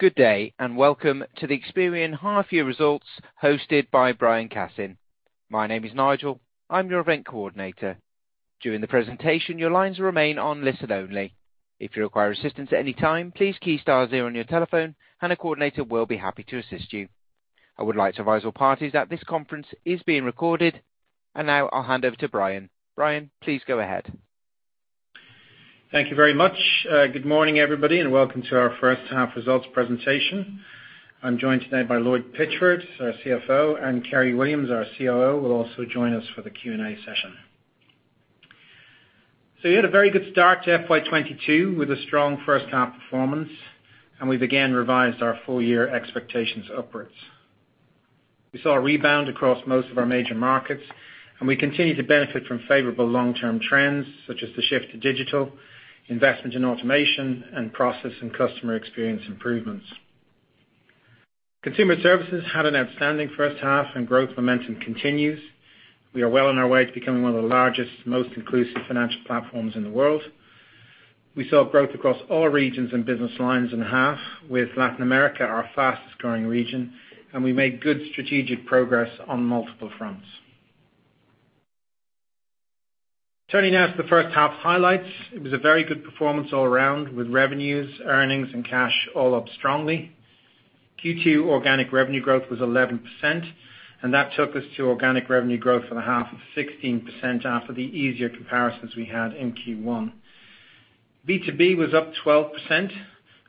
Good day, and welcome to the Experian Half Year Results hosted by Brian Cassin. My name is Nigel. I'm your event coordinator. During the presentation, your lines remain on listen only. If you require assistance at any time, please key star zero on your telephone and a coordinator will be happy to assist you. I would like to advise all parties that this conference is being recorded. Now I'll hand over to Brian. Brian, please go ahead. Thank you very much. Good morning, everybody, and welcome to our first half results presentation. I'm joined today by Lloyd Pitchford, our CFO, and Kerry Williams, our COO, will also join us for the Q&A session. We had a very good start to FY 2022 with a strong first half performance, and we've again revised our full year expectations upwards. We saw a rebound across most of our major markets, and we continue to benefit from favorable long-term trends, such as the shift to digital, investment in automation, and process and customer experience improvements. Consumer services had an outstanding first half and growth momentum continues. We are well on our way to becoming one of the largest, most inclusive financial platforms in the world. We saw growth across all regions and business lines in half, with Latin America our fastest growing region, and we made good strategic progress on multiple fronts. Turning now to the first half highlights. It was a very good performance all around with revenues, earnings, and cash all up strongly. Q2 organic revenue growth was 11%, and that took us to organic revenue growth for the half of 16% after the easier comparisons we had in Q1. B2B was up 12%.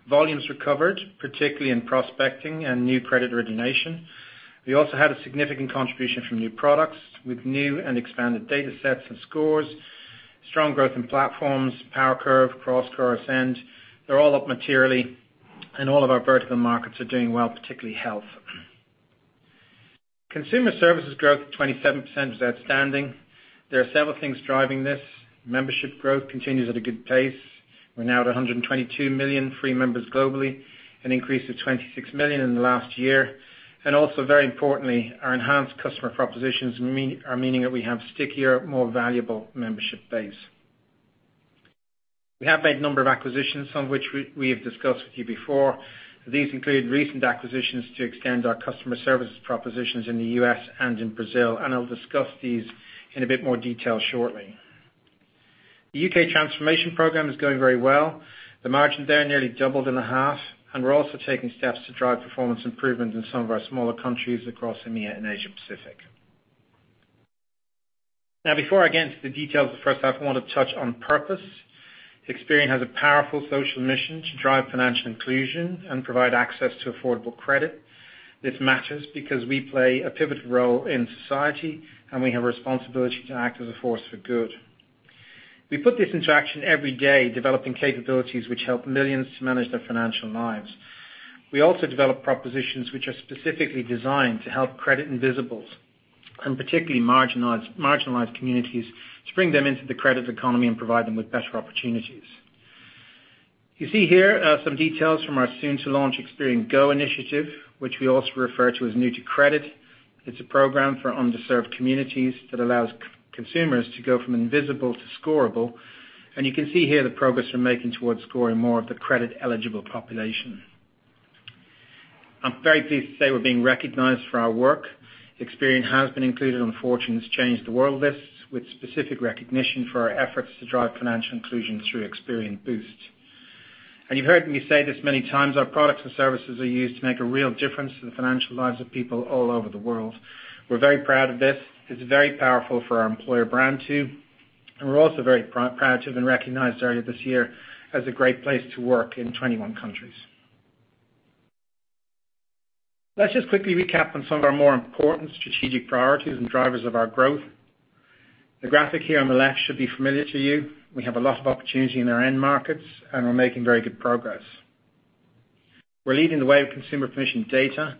Volumes recovered, particularly in prospecting and new credit origination. We also had a significant contribution from new products with new and expanded data sets and scores, strong growth in platforms, PowerCurve, CrossCore, Ascend. They're all up materially and all of our vertical markets are doing well, particularly health. Consumer services growth of 27% is outstanding. There are several things driving this. Membership growth continues at a good pace. We're now at 122 million free members globally, an increase of 26 million in the last year. Very importantly, our enhanced customer propositions mean, are meaning that we have stickier, more valuable membership base. We have made a number of acquisitions, some of which we have discussed with you before. These include recent acquisitions to extend our customer services propositions in the U.S. and in Brazil. I'll discuss these in a bit more detail shortly. The U.K. transformation program is going very well. The margin there nearly doubled in a half, and we're also taking steps to drive performance improvement in some of our smaller countries across EMEA and Asia-Pacific. Now before I get into the details of the first half, I want to touch on purpose. Experian has a powerful social mission to drive financial inclusion and provide access to affordable credit. This matters because we play a pivotal role in society, and we have a responsibility to act as a force for good. We put this into action every day, developing capabilities which help millions to manage their financial lives. We also develop propositions which are specifically designed to help credit invisibles, and particularly marginalized communities, to bring them into the credit economy and provide them with better opportunities. You see here some details from our soon to launch Experian Go initiative, which we also refer to as New to Credit. It's a program for underserved communities that allows consumers to go from invisible to scorable. You can see here the progress we're making towards scoring more of the credit-eligible population. I'm very pleased to say we're being recognized for our work. Experian has been included on Fortune's Change the World lists, with specific recognition for our efforts to drive financial inclusion through Experian Boost. You've heard me say this many times, our products and services are used to make a real difference to the financial lives of people all over the world. We're very proud of this. It's very powerful for our employer brand too. We're also very proud to have been recognized earlier this year as a great place to work in 21 countries. Let's just quickly recap on some of our more important strategic priorities and drivers of our growth. The graphic here on the left should be familiar to you. We have a lot of opportunity in our end markets, and we're making very good progress. We're leading the way with consumer permission data.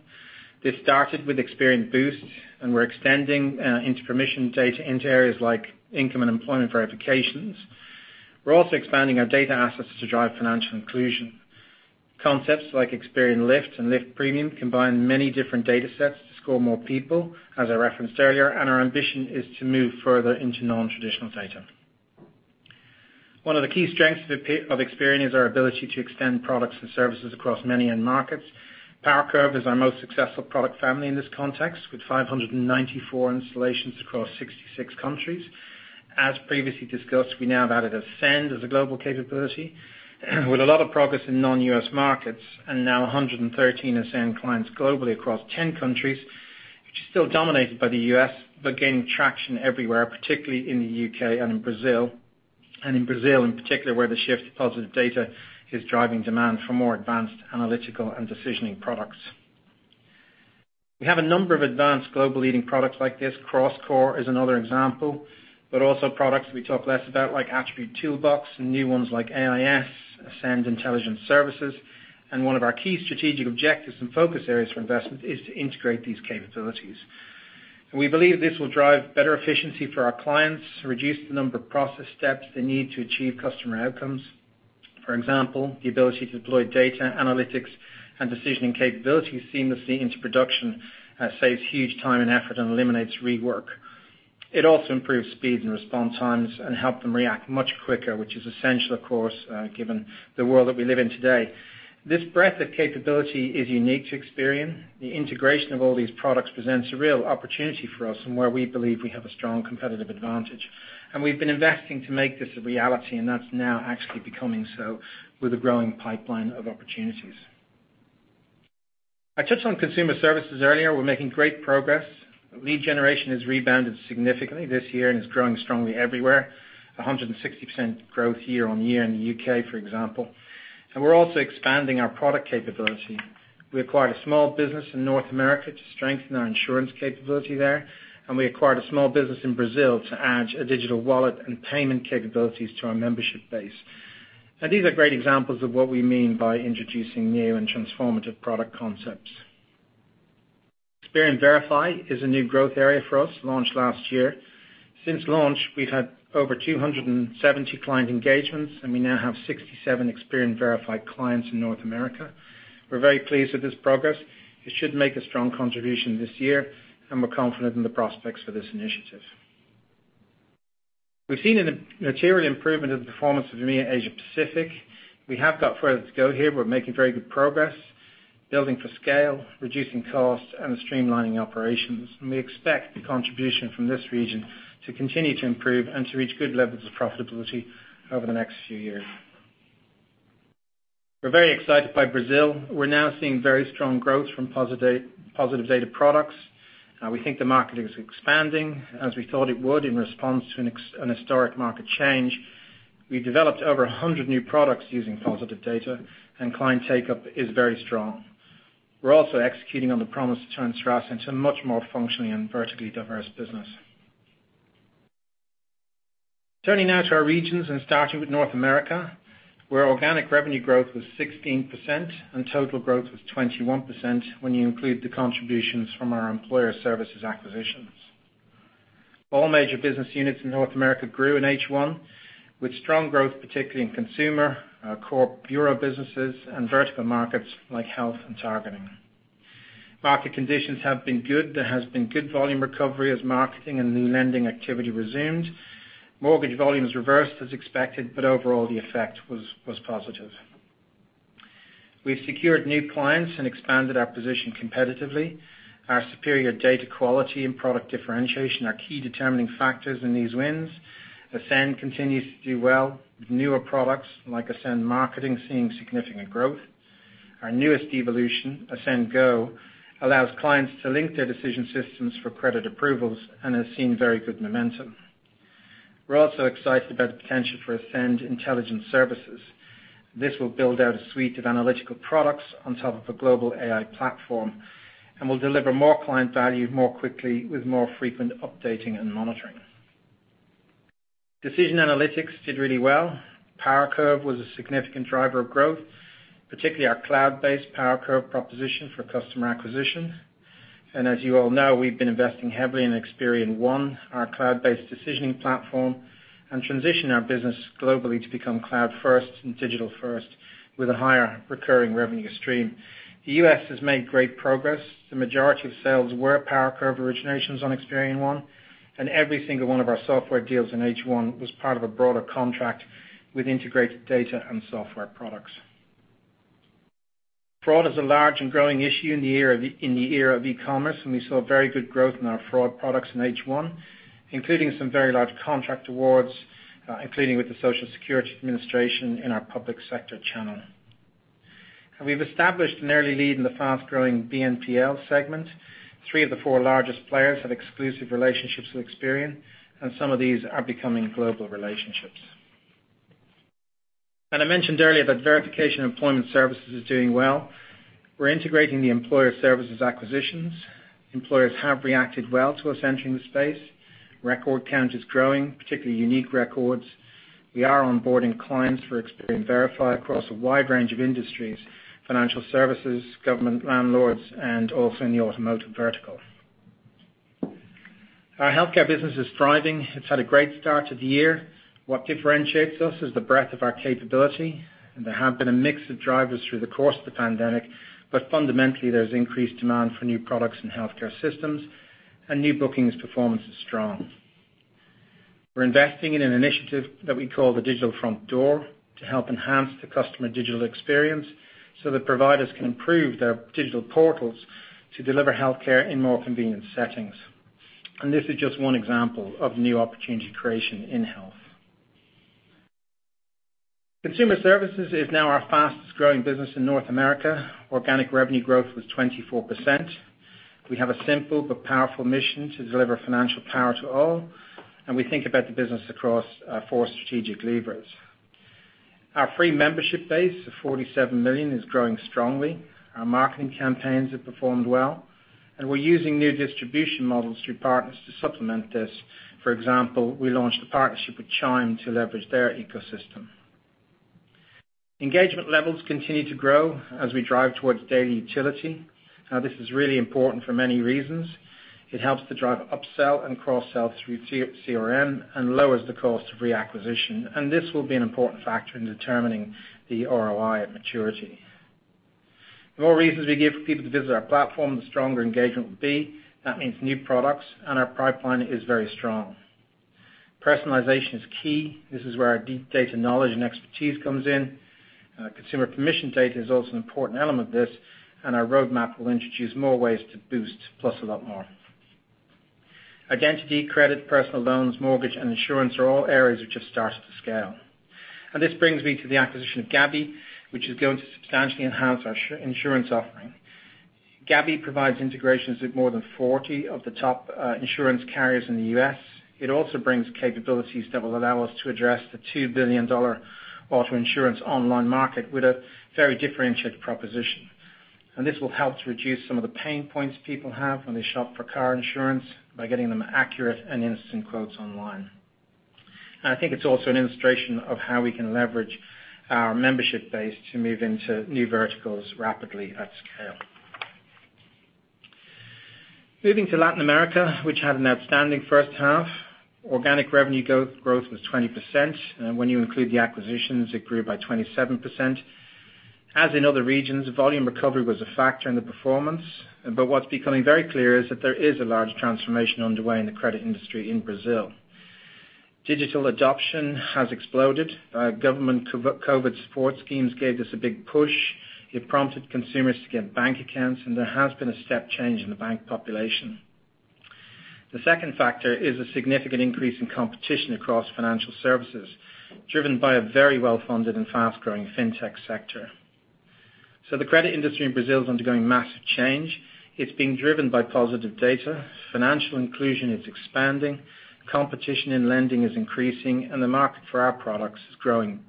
This started with Experian Boost and we're extending into permission data into areas like income and employment verifications. We're also expanding our data assets to drive financial inclusion. Concepts like Experian Lift and Lift Premium combine many different data sets to score more people, as I referenced earlier, and our ambition is to move further into non-traditional data. One of the key strengths of Experian is our ability to extend products and services across many end markets. PowerCurve is our most successful product family in this context, with 594 installations across 66 countries. As previously discussed, we now have added Ascend as a global capability with a lot of progress in non-U.S. markets and now 113 Ascend clients globally across 10 countries, which is still dominated by the U.S. but gaining traction everywhere, particularly in the U.K. and in Brazil. In Brazil in particular, where the shift to positive data is driving demand for more advanced analytical and decisioning products. We have a number of advanced global leading products like this. CrossCore is another example, but also products we talk less about, like Attribute Toolbox and new ones like AIS, Ascend Intelligence Services. One of our key strategic objectives and focus areas for investment is to integrate these capabilities. We believe this will drive better efficiency for our clients, reduce the number of process steps they need to achieve customer outcomes. For example, the ability to deploy data analytics and decisioning capabilities seamlessly into production, saves huge time and effort and eliminates rework. It also improves speeds and response times and help them react much quicker, which is essential, of course, given the world that we live in today. This breadth of capability is unique to Experian. The integration of all these products presents a real opportunity for us and where we believe we have a strong competitive advantage. We've been investing to make this a reality, and that's now actually becoming so with a growing pipeline of opportunities. I touched on consumer services earlier. We're making great progress. Lead generation has rebounded significantly this year and is growing strongly everywhere. 160% growth year-on-year in the U.K., for example. We're also expanding our product capability. We acquired a small business in North America to strengthen our insurance capability there, and we acquired a small business in Brazil to add a digital wallet and payment capabilities to our membership base. These are great examples of what we mean by introducing new and transformative product concepts. Experian Verify is a new growth area for us, launched last year. Since launch, we've had over 270 client engagements, and we now have 67 Experian Verify clients in North America. We're very pleased with this progress. It should make a strong contribution this year, and we're confident in the prospects for this initiative. We've seen a material improvement in the performance of EMEA, Asia Pacific. We have got further to go here. We're making very good progress, building for scale, reducing costs, and streamlining operations. We expect the contribution from this region to continue to improve and to reach good levels of profitability over the next few years. We're very excited by Brazil. We're now seeing very strong growth from positive data products. We think the market is expanding as we thought it would in response to an historic market change. We developed over 100 new products using positive data, and client take-up is very strong. We're also executing on the promise to turn Serasa into a much more functionally and vertically diverse business. Turning now to our regions and starting with North America, where organic revenue growth was 16% and total growth was 21% when you include the contributions from our employer services acquisitions. All major business units in North America grew in H1, with strong growth, particularly in consumer, our core bureau businesses, and vertical markets like health and targeting. Market conditions have been good. There has been good volume recovery as marketing and new lending activity resumed. Mortgage volumes reversed as expected, but overall, the effect was positive. We've secured new clients and expanded our position competitively. Our superior data quality and product differentiation are key determining factors in these wins. Ascend continues to do well, with newer products like Ascend Marketing seeing significant growth. Our newest evolution, Ascend Go, allows clients to link their decision systems for credit approvals and has seen very good momentum. We're also excited about the potential for Ascend Intelligence Services. This will build out a suite of analytical products on top of a global AI platform and will deliver more client value more quickly with more frequent updating and monitoring. Decision Analytics did really well. PowerCurve was a significant driver of growth, particularly our cloud-based PowerCurve proposition for customer acquisition. As you all know, we've been investing heavily in Experian One, our cloud-based decisioning platform, and transitioned our business globally to become cloud-first and digital-first with a higher recurring revenue stream. The U.S. has made great progress. The majority of sales were PowerCurve originations on Experian One, and every single one of our software deals in H1 was part of a broader contract with integrated data and software products. Fraud is a large and growing issue in the era of e-commerce, and we saw very good growth in our fraud products in H1, including some very large contract awards, including with the Social Security Administration in our public sector channel. We've established an early lead in the fast-growing BNPL segment. Three of the four largest players have exclusive relationships with Experian, and some of these are becoming global relationships. I mentioned earlier that verification employment services is doing well. We're integrating the employer services acquisitions. Employers have reacted well to us entering the space. Record count is growing, particularly unique records. We are onboarding clients for Experian Verify across a wide range of industries, financial services, government landlords, and also in the automotive vertical. Our healthcare business is thriving. It's had a great start to the year. What differentiates us is the breadth of our capability, and there have been a mix of drivers through the course of the pandemic, but fundamentally, there's increased demand for new products in healthcare systems, and new bookings performance is strong. We're investing in an initiative that we call the Digital Front Door to help enhance the customer digital experience so that providers can improve their digital portals to deliver healthcare in more convenient settings. This is just one example of new opportunity creation in health. Consumer services is now our fastest-growing business in North America. Organic revenue growth was 24%. We have a simple but powerful mission to deliver financial power to all, and we think about the business across four strategic levers. Our free membership base of 47 million is growing strongly. Our marketing campaigns have performed well, and we're using new distribution models through partners to supplement this. For example, we launched a partnership with Chime to leverage their ecosystem. Engagement levels continue to grow as we drive towards daily utility. Now, this is really important for many reasons. It helps to drive upsell and cross-sell through CRM and lowers the cost of reacquisition. This will be an important factor in determining the ROI at maturity. The more reasons we give people to visit our platform, the stronger engagement will be. That means new products, and our pipeline is very strong. Personalization is key. This is where our deep data knowledge and expertise comes in. Consumer permission data is also an important element of this, and our roadmap will introduce more ways to boost, plus a lot more. Identity, credit, personal loans, mortgage, and insurance are all areas which have started to scale. This brings me to the acquisition of Gabi, which is going to substantially enhance our insurance offering. Gabi provides integrations with more than 40 of the top insurance Kerryrs in the U.S. It also brings capabilities that will allow us to address the $2 billion auto insurance online market with a very differentiated proposition. This will help to reduce some of the pain points people have when they shop for car insurance by getting them accurate and instant quotes online. I think it's also an illustration of how we can leverage our membership base to move into new verticals rapidly at scale. Moving to Latin America, which had an outstanding first half. Organic revenue growth was 20%. When you include the acquisitions, it grew by 27%. As in other regions, volume recovery was a factor in the performance. What's becoming very clear is that there is a large transformation underway in the credit industry in Brazil. Digital adoption has exploded. Government COVID support schemes gave this a big push. It prompted consumers to get bank accounts, and there has been a step change in the bank population. The second factor is a significant increase in competition across financial services, driven by a very well-funded and fast-growing fintech sector. The credit industry in Brazil is undergoing massive change. It's being driven by positive data. Financial inclusion is expanding, competition in lending is increasing, and the market for our products is growing.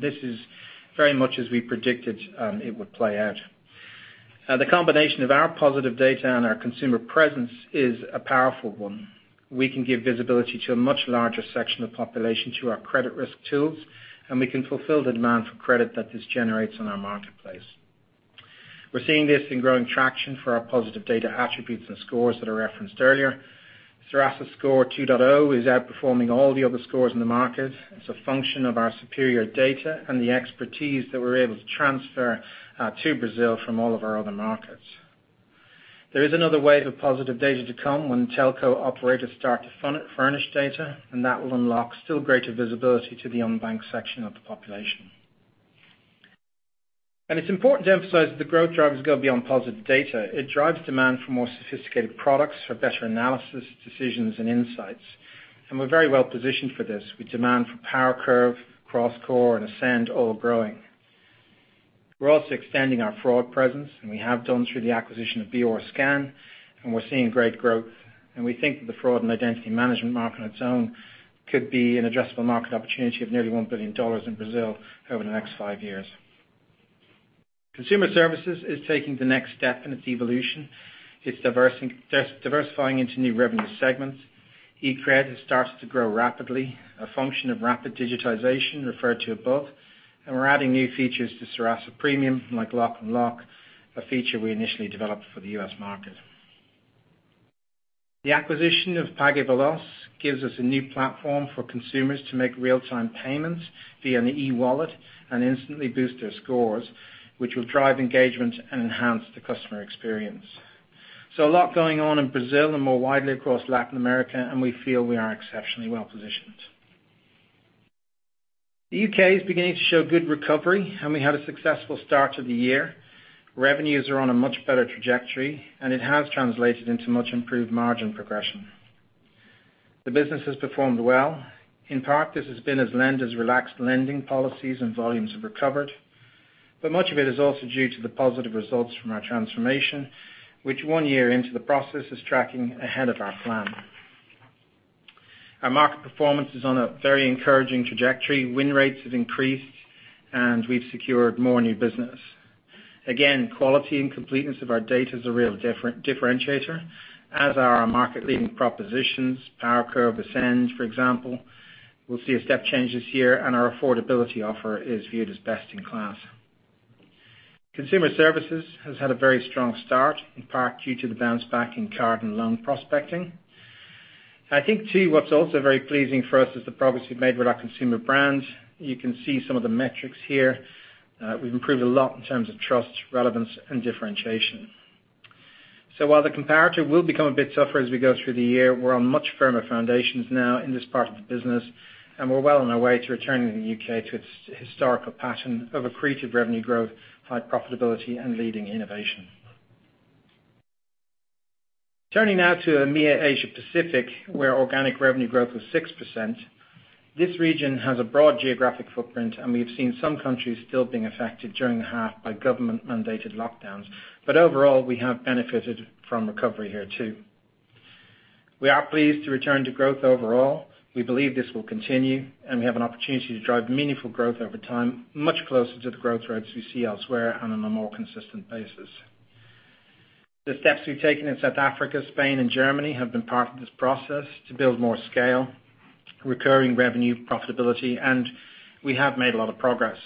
This is very much as we predicted, it would play out. The combination of our positive data and our consumer presence is a powerful one. We can give visibility to a much larger section of population through our credit risk tools, and we can fulfill the demand for credit that this generates on our marketplace. We're seeing this in growing traction for our positive data attributes and scores that I referenced earlier. Serasa Score 2.0 is outperforming all the other scores in the market. It's a function of our superior data and the expertise that we're able to transfer to Brazil from all of our other markets. There is another wave of positive data to come when telco operators start to furnish data, and that will unlock still greater visibility to the unbanked section of the population. It's important to emphasize that the growth drivers go beyond positive data. It drives demand for more sophisticated products for better analysis, decisions, and insights. We're very well positioned for this, with demand for PowerCurve, CrossCore, and Ascend all growing. We're also extending our fraud presence, and we have done through the acquisition of BrScan, and we're seeing great growth. We think that the fraud and identity management market on its own could be an addressable market opportunity of nearly $1 billion in Brazil over the next five years. Consumer services is taking the next step in its evolution. It's diversifying into new revenue segments. eCredit has started to grow rapidly, a function of rapid digitization referred to above, and we're adding new features to Serasa Premium, like Lock & Unlock, a feature we initially developed for the U.S. market. The acquisition of Pague Veloz gives us a new platform for consumers to make real-time payments via an e-wallet and instantly boost their scores, which will drive engagement and enhance the customer experience. A lot going on in Brazil and more widely across Latin America, and we feel we are exceptionally well positioned. The U.K. is beginning to show good recovery, and we had a successful start to the year. Revenues are on a much better trajectory, and it has translated into much improved margin progression. The business has performed well. In part, this has been as lenders relaxed lending policies and volumes have recovered, but much of it is also due to the positive results from our transformation, which one year into the process is tracking ahead of our plan. Our market performance is on a very encouraging trajectory. Win rates have increased, and we've secured more new business. Again, quality and completeness of our data is a real differentiator, as are our market-leading propositions. PowerCurve Ascend, for example, will see a step change this year, and our affordability offer is viewed as best in class. Consumer services has had a very strong start, in part due to the bounce back in card and loan prospecting. I think, too, what's also very pleasing for us is the progress we've made with our consumer brand. You can see some of the metrics here. We've improved a lot in terms of trust, relevance, and differentiation. While the comparator will become a bit tougher as we go through the year, we're on much firmer foundations now in this part of the business, and we're well on our way to returning the U.K. to its historical pattern of accretive revenue growth, high profitability, and leading innovation. Turning now to EMEA Asia Pacific, where organic revenue growth was 6%. This region has a broad geographic footprint, and we have seen some countries still being affected during the half by government-mandated lockdowns. Overall, we have benefited from recovery here too. We are pleased to return to growth overall. We believe this will continue, and we have an opportunity to drive meaningful growth over time, much closer to the growth rates we see elsewhere and on a more consistent basis. The steps we've taken in South Africa, Spain, and Germany have been part of this process to build more scale, recurring revenue profitability, and we have made a lot of progress.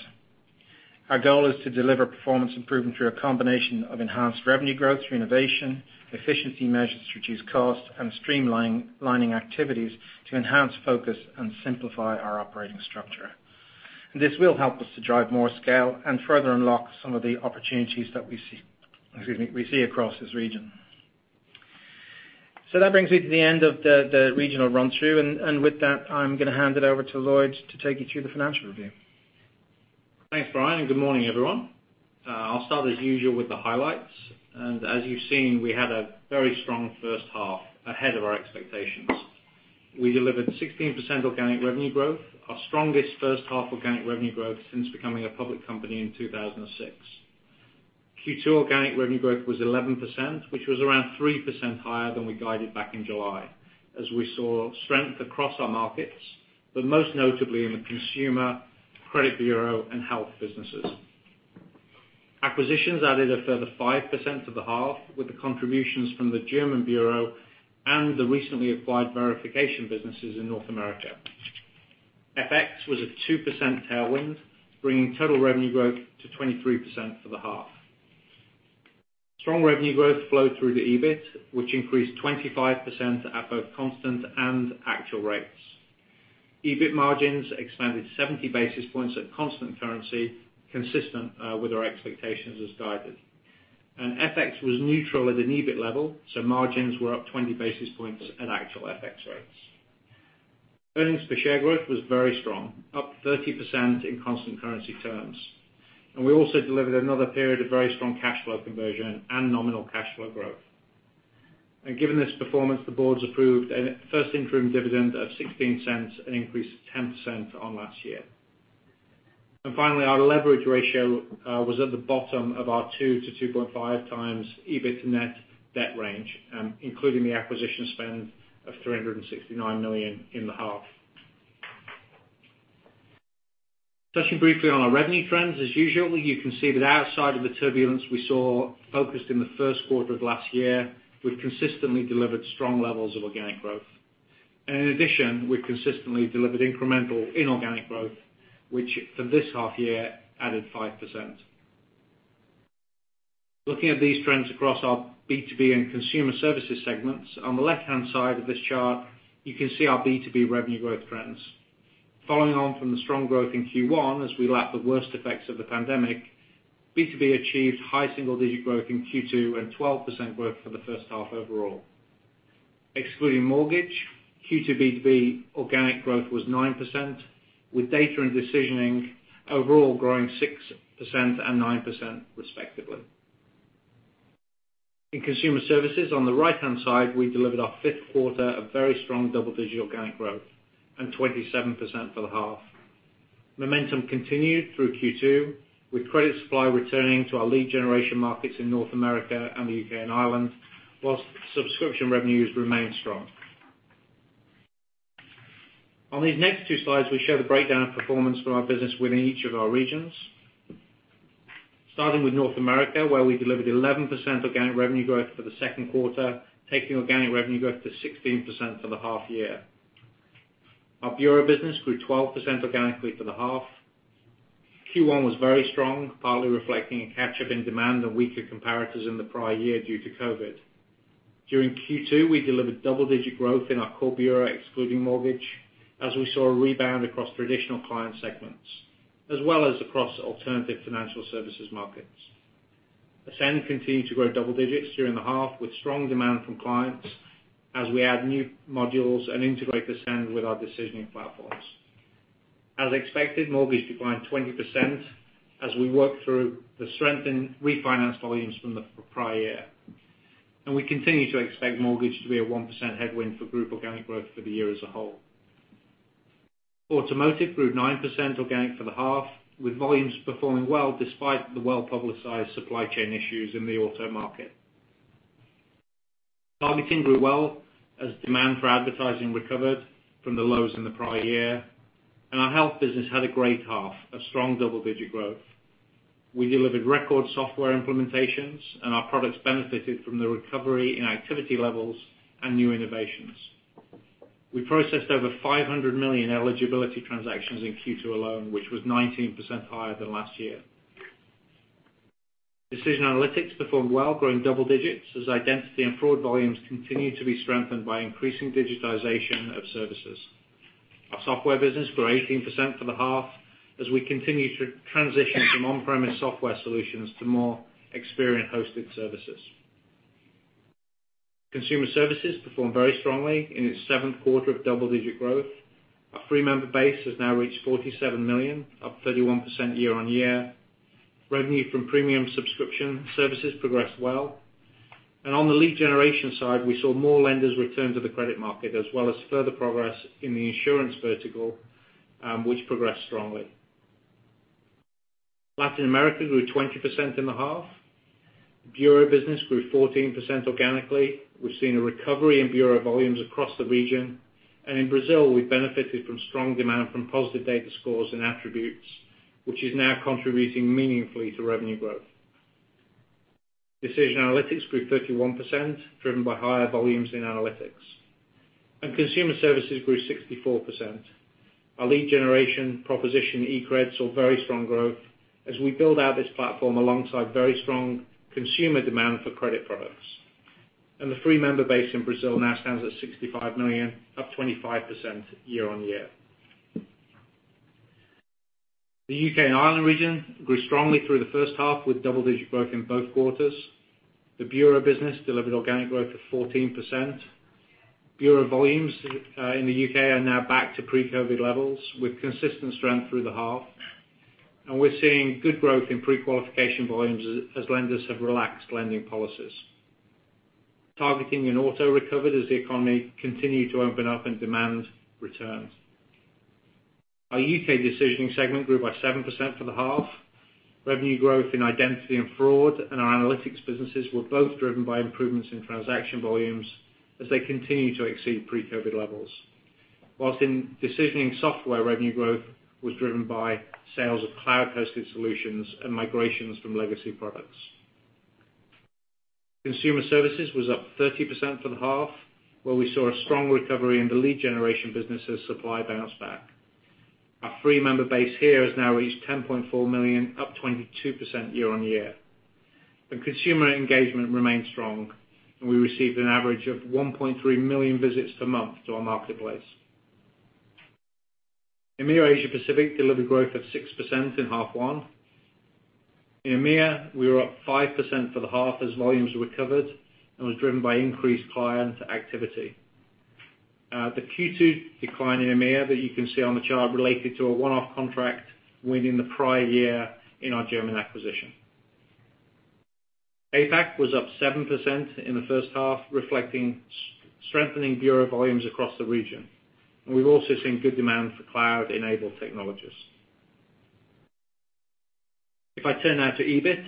Our goal is to deliver performance improvement through a combination of enhanced revenue growth through innovation, efficiency measures to reduce costs, and streamlining activities to enhance focus and simplify our operating structure. This will help us to drive more scale and further unlock some of the opportunities that we see, excuse me, across this region. That brings me to the end of the regional run through. With that, I'm gonna hand it over to Lloyd to take you through the financial review. Thanks, Brian, and good morning, everyone. I'll start as usual with the highlights. As you've seen, we had a very strong first half ahead of our expectations. We delivered 16% organic revenue growth, our strongest first half organic revenue growth since becoming a public company in 2006. Q2 organic revenue growth was 11%, which was around 3% higher than we guided back in July as we saw strength across our markets, but most notably in the consumer, credit bureau, and health businesses. Acquisitions added a further 5% to the half with the contributions from the German bureau and the recently acquired verification businesses in North America. FX was a 2% tailwind, bringing total revenue growth to 23% for the half. Strong revenue growth flowed through the EBIT, which increased 25% at both constant and actual rates. EBIT margins expanded 70 basis points at constant currency consistent with our expectations as guided. FX was neutral at an EBIT level, so margins were up 20 basis points at actual FX rates. Earnings per share growth was very strong, up 30% in constant currency terms. We also delivered another period of very strong cash flow conversion and nominal cash flow growth. Given this performance, the board approved a first interim dividend of $0.16, an increase of 10% on last year. Finally, our leverage ratio was at the bottom of our 2x-2.5x EBIT net debt range, including the acquisition spend of $369 million in the half. Touching briefly on our revenue trends, as usual, you can see that outside of the turbulence we saw focused in the first quarter of last year, we've consistently delivered strong levels of organic growth. In addition, we've consistently delivered incremental inorganic growth, which for this half year added 5%. Looking at these trends across our B2B and consumer services segments, on the left-hand side of this chart, you can see our B2B revenue growth trends. Following on from the strong growth in Q1 as we lap the worst effects of the pandemic, B2B achieved high single-digit growth in Q2 and 12% growth for the first half overall. Excluding mortgage, Q2 B2B organic growth was 9%, with data and decisioning overall growing 6% and 9% respectively. In consumer services, on the right-hand side, we delivered our fifth quarter of very strong double-digit organic growth and 27% for the half. Momentum continued through Q2 with credit supply returning to our lead generation markets in North America and the U.K. and Ireland, whilst subscription revenues remained strong. On these next two slides, we show the breakdown of performance for our business within each of our regions. Starting with North America, where we delivered 11% organic revenue growth for the second quarter, taking organic revenue growth to 16% for the half year. Our bureau business grew 12% organically for the half. Q1 was very strong, partly reflecting a catch-up in demand and weaker comparators in the prior year due to COVID. During Q2, we delivered double-digit growth in our core bureau, excluding mortgage, as we saw a rebound across traditional client segments, as well as across alternative financial services markets. Ascend continued to grow double digits during the half with strong demand from clients as we add new modules and integrate Ascend with our decisioning platforms. As expected, mortgage declined 20% as we worked through the strength in refinance volumes from the prior year. We continue to expect mortgage to be a 1% headwind for group organic growth for the year as a whole. Automotive grew 9% organic for the half, with volumes performing well despite the well-publicized supply chain issues in the auto market. Marketing grew well as demand for advertising recovered from the lows in the prior year, and our health business had a great half of strong double-digit growth. We delivered record software implementations, and our products benefited from the recovery in activity levels and new innovations. We processed over 500 million eligibility transactions in Q2 alone, which was 19% higher than last year. Decision Analytics performed well, growing double digits as identity and fraud volumes continue to be strengthened by increasing digitization of services. Our Software business grew 18% for the half as we continue to transition from on-premise software solutions to more Experian hosted services. Consumer Services performed very strongly in its seventh quarter of double-digit growth. Our free member base has now reached 47 million, up 31% year-on-year. Revenue from premium subscription services progressed well. On the lead generation side, we saw more lenders return to the credit market, as well as further progress in the insurance vertical, which progressed strongly. Latin America grew 20% in the half. Bureau business grew 14% organically. We've seen a recovery in bureau volumes across the region. In Brazil, we benefited from strong demand from positive data scores and attributes, which is now contributing meaningfully to revenue growth. Decision analytics grew 31%, driven by higher volumes in analytics. Consumer services grew 64%. Our lead generation proposition, eCredit, saw very strong growth as we build out this platform alongside very strong consumer demand for credit products. The free member base in Brazil now stands at 65 million, up 25% year-on-year. The U.K. and Ireland region grew strongly through the first half with double-digit growth in both quarters. The bureau business delivered organic growth of 14%. Bureau volumes in the U.K. are now back to pre-COVID levels, with consistent strength through the half. We're seeing good growth in pre-qualification volumes as lenders have relaxed lending policies. Mortgage and auto recovered as the economy continued to open up and demand returned. Our U.K. Decisioning segment grew by 7% for the half. Revenue growth in Identity and Fraud and our Analytics businesses were both driven by improvements in transaction volumes as they continue to exceed pre-COVID levels. While in Decisioning software, revenue growth was driven by sales of cloud-hosted solutions and migrations from legacy products. Consumer Services was up 30% for the half, where we saw a strong recovery in the lead generation businesses as supply bounced back. Our free member base here has now reached 10.4 million, up 22% year-on-year. Consumer engagement remains strong, and we received an average of 1.3 million visits per month to our marketplace. EMEA Asia Pacific delivered growth of 6% in half one. In EMEA, we were up 5% for the half as volumes recovered and was driven by increased client activity. The Q2 decline in EMEA that you can see on the chart related to a one-off contract win in the prior year in our German acquisition. APAC was up 7% in the first half, reflecting strengthening bureau volumes across the region. We've also seen good demand for cloud-enabled technologies. If I turn now to EBIT.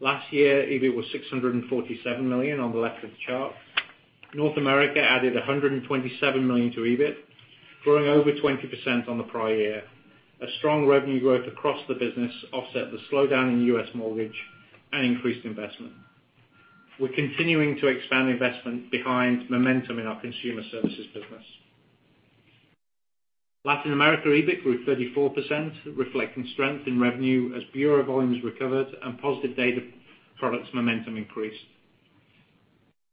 Last year, EBIT was $647 million on the left of the chart. North America added $127 million to EBIT, growing over 20% on the prior year. A strong revenue growth across the business offset the slowdown in U.S. mortgage and increased investment. We're continuing to expand investment behind momentum in our consumer services business. Latin America EBIT grew 34%, reflecting strength in revenue as bureau volumes recovered and positive data products momentum increased.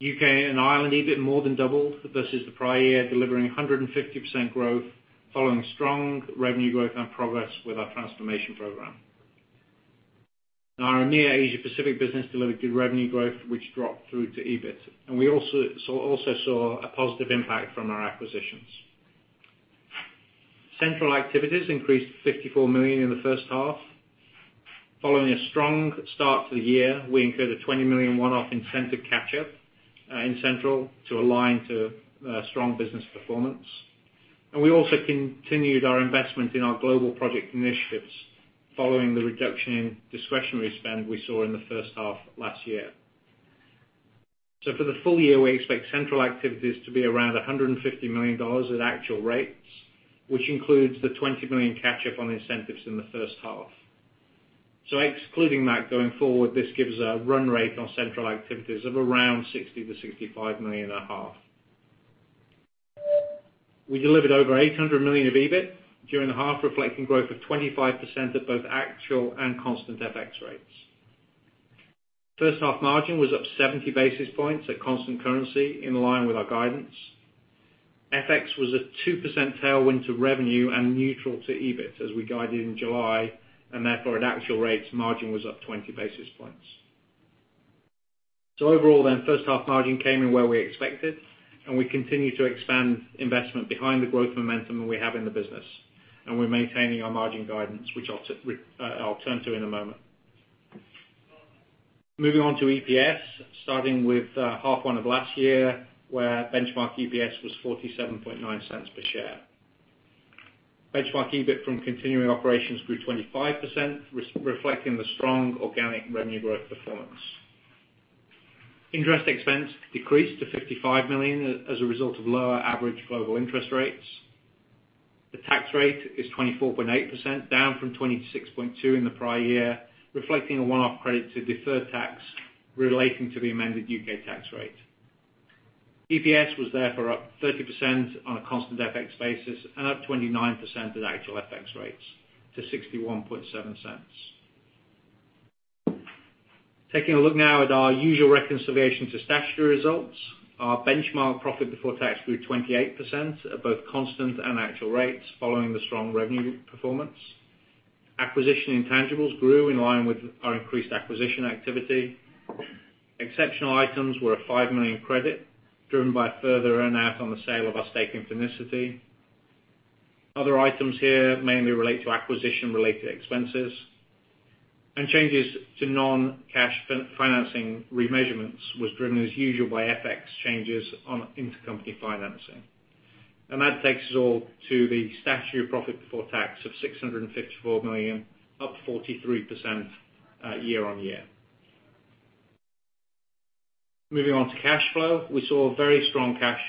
U.K. and Ireland EBIT more than doubled versus the prior year, delivering 150% growth following strong revenue growth and progress with our transformation program. Our EMEA Asia Pacific business delivered good revenue growth, which dropped through to EBIT. We also saw a positive impact from our acquisitions. Central activities increased to $54 million in the first half. Following a strong start to the year, we incurred a $20 million one-off incentive catch-up in Central to align to strong business performance. We also continued our investment in our global project initiatives following the reduction in discretionary spend we saw in the first half last year. For the full year, we expect Central activities to be around $150 million at actual rates, which includes the $20 million catch-up on incentives in the first half. Excluding that going forward, this gives a run rate on Central activities of around $60 million-$65 million a half. We delivered over $800 million of EBIT during the half, reflecting growth of 25% at both actual and constant FX rates. First half margin was up 70 basis points at constant currency in line with our guidance. FX was a 2% tailwind to revenue and neutral to EBIT, as we guided in July, and therefore at actual rates, margin was up 20 basis points. Overall, then, first half margin came in where we expected, and we continue to expand investment behind the growth momentum that we have in the business. We're maintaining our margin guidance, which I'll turn to in a moment. Moving on to EPS, starting with half one of last year, where benchmark EPS was 47.9 cents per share. Benchmark EBIT from continuing operations grew 25%, reflecting the strong organic revenue growth performance. Interest expense decreased to $55 million as a result of lower average global interest rates. The tax rate is 24.8%, down from 26.2% in the prior year, reflecting a one-off credit to deferred tax relating to the amended U.K. tax rate. EPS was therefore up 30% on a constant FX basis and up 29% at actual FX rates to $0.617 cents. Taking a look now at our usual reconciliation to statutory results. Our benchmark profit before tax grew 28% at both constant and actual rates following the strong revenue performance. Acquisition intangibles grew in line with our increased acquisition activity. Exceptional items were a $5 million credit driven by further earn-out on the sale of our stake in Finicity. Other items here mainly relate to acquisition-related expenses. Changes to non-cash financing remeasurements was driven as usual by FX changes on intercompany financing. That takes us all to the statutory profit before tax of $654 million, up 43% year-over-year. Moving on to cash flow. We saw very strong cash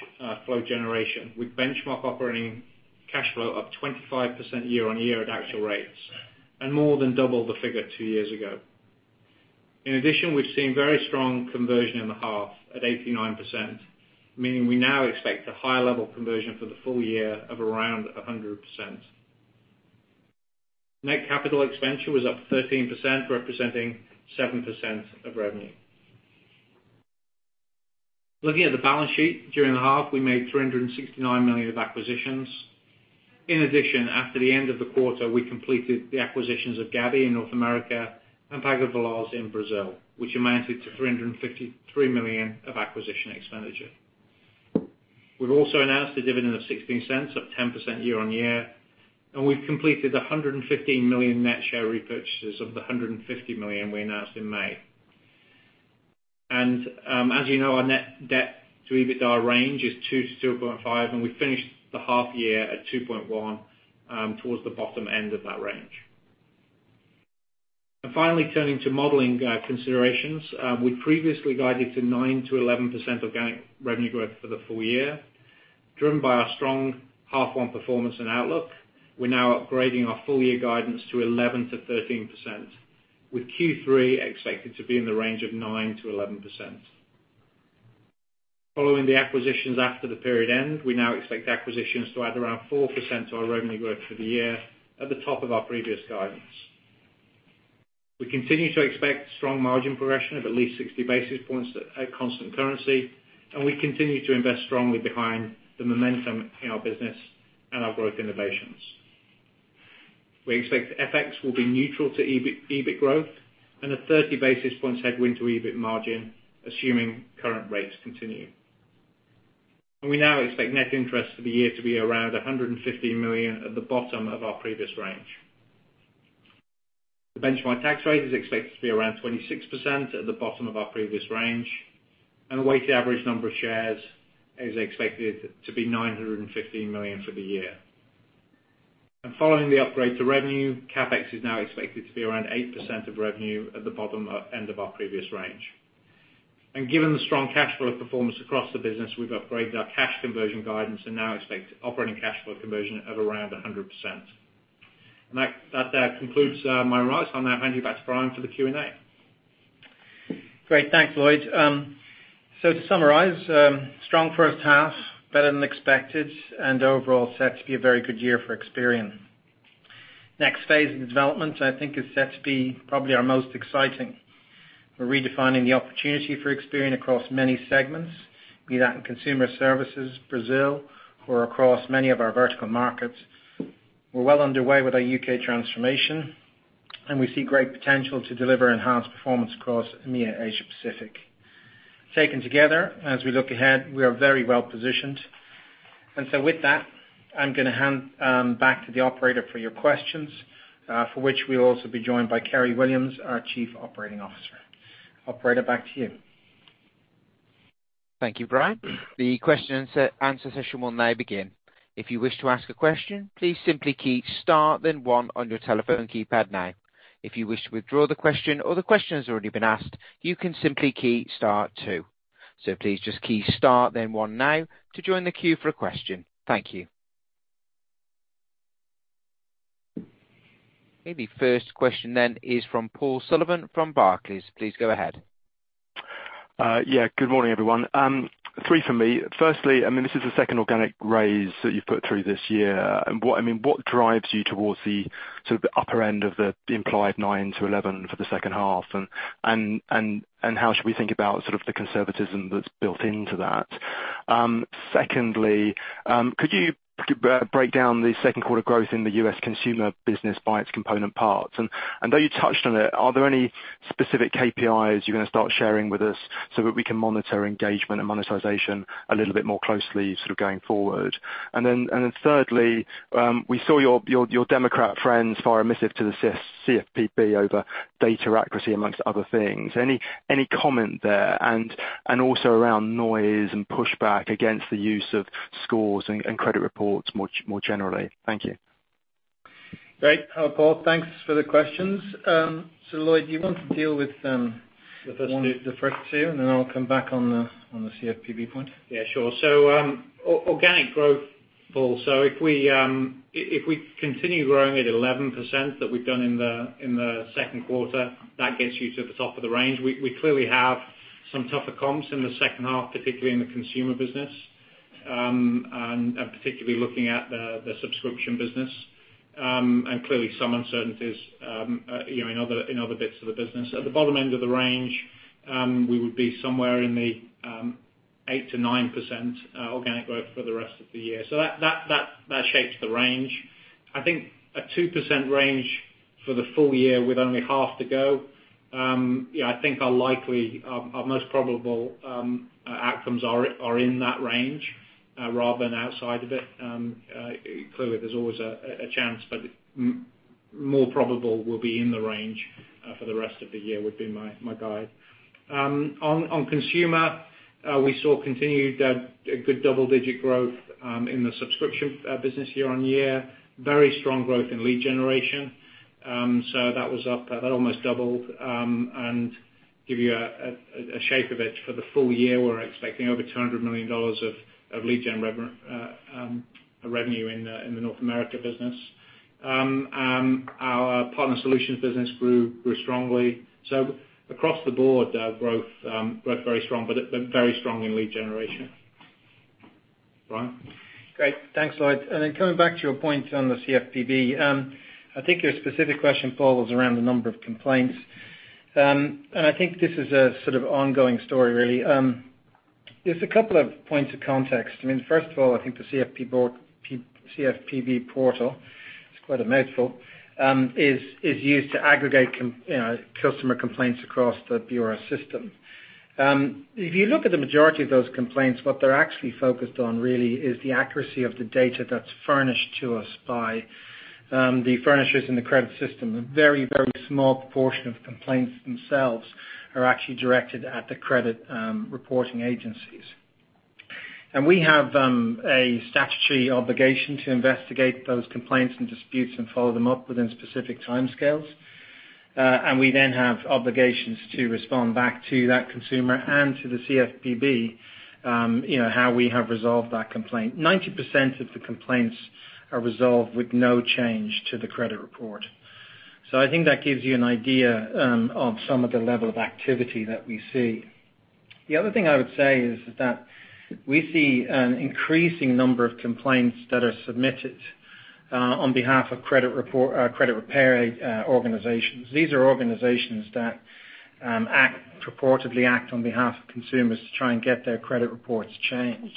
flow generation, with benchmark operating cash flow up 25% year-over-year at actual rates, and more than double the figure two years ago. In addition, we've seen very strong conversion in the half at 89%, meaning we now expect a higher level conversion for the full year of around 100%. Net capital expenditure was up 13%, representing 7% of revenue. Looking at the balance sheet during the half, we made $369 million of acquisitions. In addition, after the end of the quarter, we completed the acquisitions of Gabi in North America and Pague Veloz in Brazil, which amounted to $353 million of acquisition expenditure. We've also announced a dividend of $0.16, up 10% year-on-year, and we've completed $115 million net share repurchases of the $150 million we announced in May. As you know, our net debt to EBITDA range is two-2.5, and we finished the half year at 2.1, towards the bottom end of that range. Finally turning to modeling considerations. We previously guided to 9%-11% organic revenue growth for the full year, driven by our strong half one performance and outlook. We're now upgrading our full year guidance to 11%-13% with Q3 expected to be in the range of 9%-11%. Following the acquisitions after the period end, we now expect acquisitions to add around 4% to our revenue growth for the year at the top of our previous guidance. We continue to expect strong margin progression of at least 60 basis points at constant currency, and we continue to invest strongly behind the momentum in our business and our growth innovations. We expect FX will be neutral to EBITDA-EBIT growth and a 30 basis points headwind to EBIT margin, assuming current rates continue. We now expect net interest for the year to be around $150 million at the bottom of our previous range. The benchmark tax rate is expected to be around 26% at the bottom of our previous range, and the weighted average number of shares is expected to be 950 million for the year. Following the upgrade to revenue, CapEx is now expected to be around 8% of revenue at the bottom end of our previous range. Given the strong cash flow performance across the business, we've upgraded our cash conversion guidance and now expect operating cash flow conversion of around 100%. That concludes my remarks. I'll now hand you back to Brian for the Q&A. Great. Thanks, Lloyd. To summarize, strong first half, better than expected and overall set to be a very good year for Experian. Next phase of development I think is set to be probably our most exciting. We're redefining the opportunity for Experian across many segments, be that in consumer services, Brazil, or across many of our vertical markets. We're well underway with our U.K. transformation, and we see great potential to deliver enhanced performance across EMEA, Asia Pacific. Taken together, as we look ahead, we are very well positioned. With that, I'm gonna hand back to the operator for your questions, for which we'll also be joined by Kerry Williams, our Chief Operating Officer. Operator, back to you. Thank you, Brian. The question and answer session will now begin. If you wish to ask a question, please simply key star then one on your telephone keypad now. If you wish to withdraw the question or the question has already been asked, you can simply key star two. So please just key star then one now to join the queue for a question. Thank you. Okay. The first question is from Paul Sullivan from Barclays. Please go ahead. Yeah, good morning, everyone. Three for me. Firstly, I mean, this is the second organic raise that you've put through this year. What drives you towards the sort of upper end of the implied 9%-11% for the second half? How should we think about sort of the conservatism that's built into that? Secondly, could you break down the second quarter growth in the U.S. consumer business by its component parts? Though you touched on it, are there any specific KPIs you're gonna start sharing with us so that we can monitor engagement and monetization a little bit more closely sort of going forward? Then thirdly, we saw your Democrat friends file a missive to the CFPB over data accuracy among other things. Any comment there? Also around noise and pushback against the use of scores and credit reports more generally. Thank you. Great. Paul, thanks for the questions. Lloyd, do you want to deal with? The first two? The first two, and then I'll come back on the CFPB point. Yeah, sure. Organic growth, Paul. If we continue growing at 11% that we've done in the second quarter, that gets you to the top of the range. We clearly have some tougher comps in the second half, particularly in the consumer business, and particularly looking at the subscription business. Clearly some uncertainties, you know, in other bits of the business. At the bottom end of the range, we would be somewhere in the 8%-9%, organic growth for the rest of the year. That shapes the range. I think a 2% range for the full year with only half to go. You know, I think our likely, our most probable, outcomes are in that range rather than outside of it. Clearly there's always a chance, but more probable will be in the range for the rest of the year would be my guide. On consumer, we saw continued good double-digit growth in the subscription business year-over-year. Very strong growth in lead generation. So that was up. That almost doubled, and that gives you a shape of it for the full year, we're expecting over $200 million of lead gen revenue in the North America business. And our partner solutions business grew strongly. Across the board, growth very strong, but very strong in lead generation. Brian? Great. Thanks, Lloyd. Coming back to your point on the CFPB, I think your specific question revolves around the number of complaints. I think this is a sort of ongoing story really. There's a couple of points of context. I mean, first of all, I think the CFPB portal, it's quite a mouthful, is used to aggregate, you know, customer complaints across the bureau system. If you look at the majority of those complaints, what they're actually focused on really is the accuracy of the data that's furnished to us by the furnishers in the credit system. A very small portion of complaints themselves are actually directed at the credit reporting agencies. We have a statutory obligation to investigate those complaints and disputes and follow them up within specific timescales. We then have obligations to respond back to that consumer and to the CFPB, you know, how we have resolved that complaint. 90% of the complaints are resolved with no change to the credit report. I think that gives you an idea on some of the level of activity that we see. The other thing I would say is that we see an increasing number of complaints that are submitted on behalf of credit repair organizations. These are organizations that purportedly act on behalf of consumers to try and get their credit reports changed.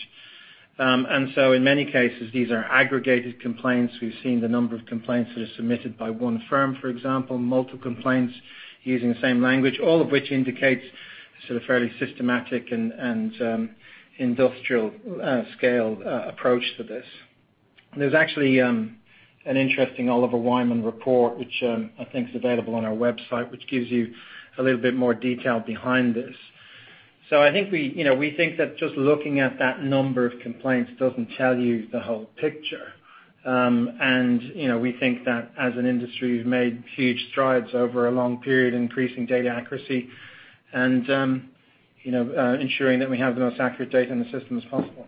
In many cases, these are aggregated complaints. We've seen the number of complaints that are submitted by one firm, for example, multiple complaints using the same language, all of which indicates sort of fairly systematic and industrial scale approach to this. There's actually an interesting Oliver Wyman report, which I think is available on our website, which gives you a little bit more detail behind this. I think we, you know, we think that just looking at that number of complaints doesn't tell you the whole picture. You know, we think that as an industry, we've made huge strides over a long period increasing data accuracy and, you know, ensuring that we have the most accurate data in the system as possible.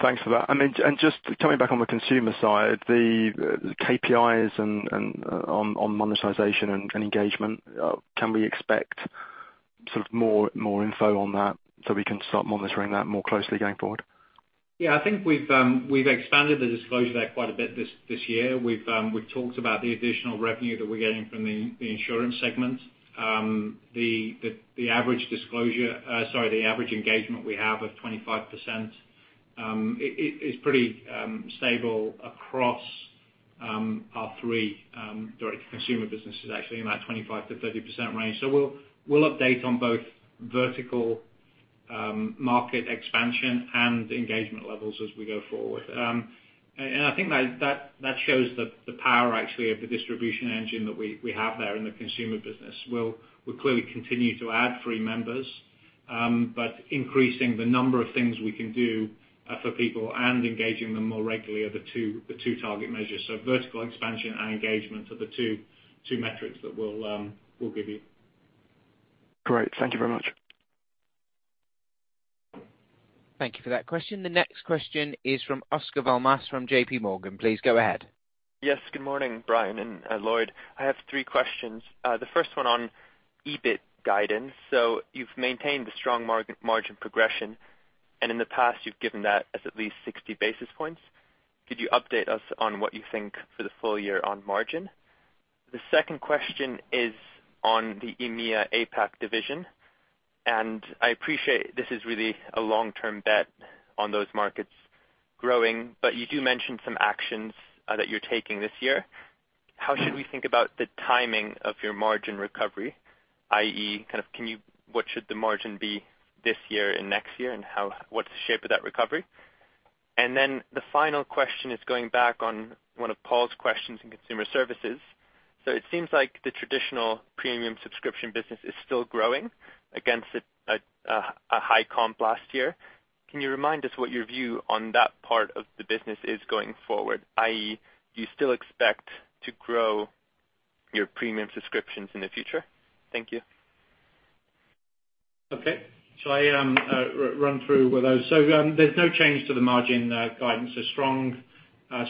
Thanks for that. I mean, just coming back on the consumer side, the KPIs and on monetization and engagement, can we expect sort of more info on that so we can start monitoring that more closely going forward? Yeah. I think we've expanded the disclosure there quite a bit this year. We've talked about the additional revenue that we're getting from the insurance segment. The average engagement we have of 25%, it is pretty stable across our three direct consumer businesses actually in that 25%-30% range. We'll update on both vertical market expansion and engagement levels as we go forward. I think that shows the power actually of the distribution engine that we have there in the consumer business. We'll clearly continue to add free members but increasing the number of things we can do for people and engaging them more regularly are the two target measures. Vertical expansion and engagement are the two metrics that we'll give you. Great. Thank you very much. Thank you for that question. The next question is from Oscar Val Mas from J.P. Morgan. Please go ahead. Yes. Good morning, Brian and Lloyd. I have three questions. The first one on EBIT guidance. So you've maintained the strong margin progression, and in the past you've given that as at least 60 basis points. Could you update us on what you think for the full year on margin? The second question is on the EMEA APAC division. I appreciate this is really a long-term bet on those markets growing, but you do mention some actions that you're taking this year. How should we think about the timing of your margin recovery? i.e., kind of what should the margin be this year and next year, and what's the shape of that recovery? Then the final question is going back on one of Paul's questions in consumer services. It seems like the traditional premium subscription business is still growing against a high comp last year. Can you remind us what your view on that part of the business is going forward, i.e., do you still expect to grow your premium subscriptions in the future? Thank you. Okay. Shall I run through with those? There's no change to the margin guidance. A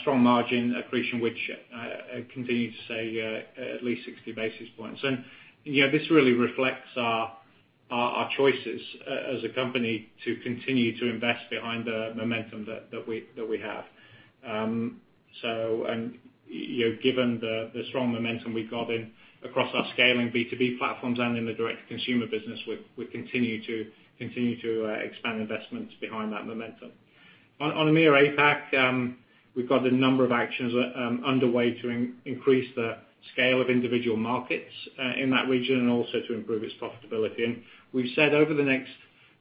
strong margin accretion, which I continue to say at least 60 basis points. You know, this really reflects our choices as a company to continue to invest behind the momentum that we have. You know, given the strong momentum we've got across our scaling B2B platforms and in the direct consumer business, we continue to expand investments behind that momentum. On EMEA APAC, we've got a number of actions underway to increase the scale of individual markets in that region and also to improve its profitability. We've said over the next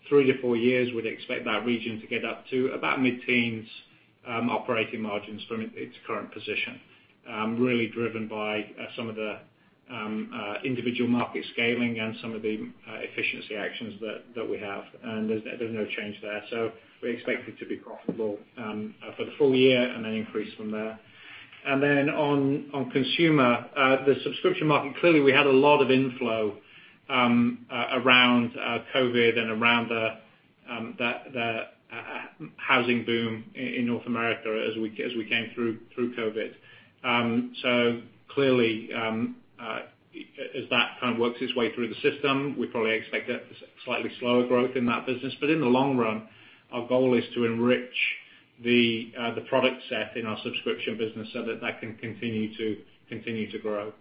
three to four years, we'd expect that region to get up to about mid-10s operating margins from its current position, really driven by some of the individual market scaling and some of the efficiency actions that we have. There's no change there. We expect it to be profitable for the full year and then increase from there. Then on consumer the subscription market, clearly we had a lot of inflow around COVID and around the housing boom in North America as we came through COVID. Clearly, as that kind of works its way through the system, we probably expect a slightly slower growth in that business. In the long run, our goal is to enrich the product set in our subscription business so that that can continue to grow.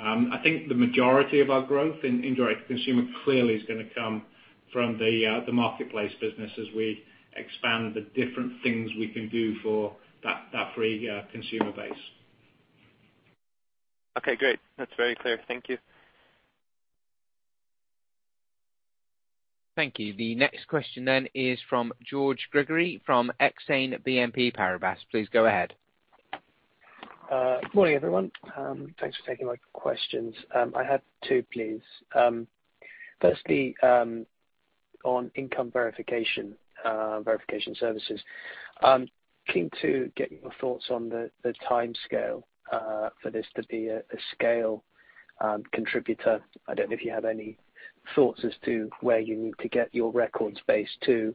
I think the majority of our growth in indirect to consumer clearly is gonna come from the marketplace business as we expand the different things we can do for that free consumer base. Okay, great. That's very clear. Thank you. Thank you. The next question then is from George Gregory from Exane BNP Paribas. Please go ahead. Good morning, everyone. Thanks for taking my questions. I have two, please. Firstly, on income verification services. Keen to get your thoughts on the timescale for this to be a scale contributor. I don't know if you have any thoughts as to where you need to get your records base to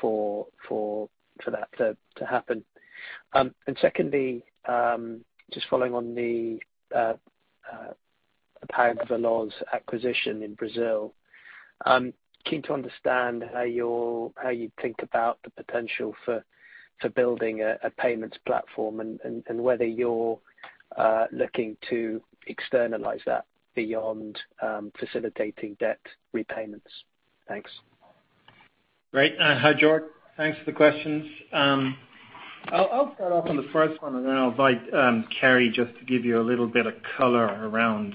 for that to happen. Secondly, just following on the Pague Veloz acquisition in Brazil, I'm keen to understand how you think about the potential for building a payments platform and whether you're looking to externalize that beyond facilitating debt repayments. Thanks. Great. Hi, George. Thanks for the questions. I'll start off on the first one, and then I'll invite Kerry just to give you a little bit of color around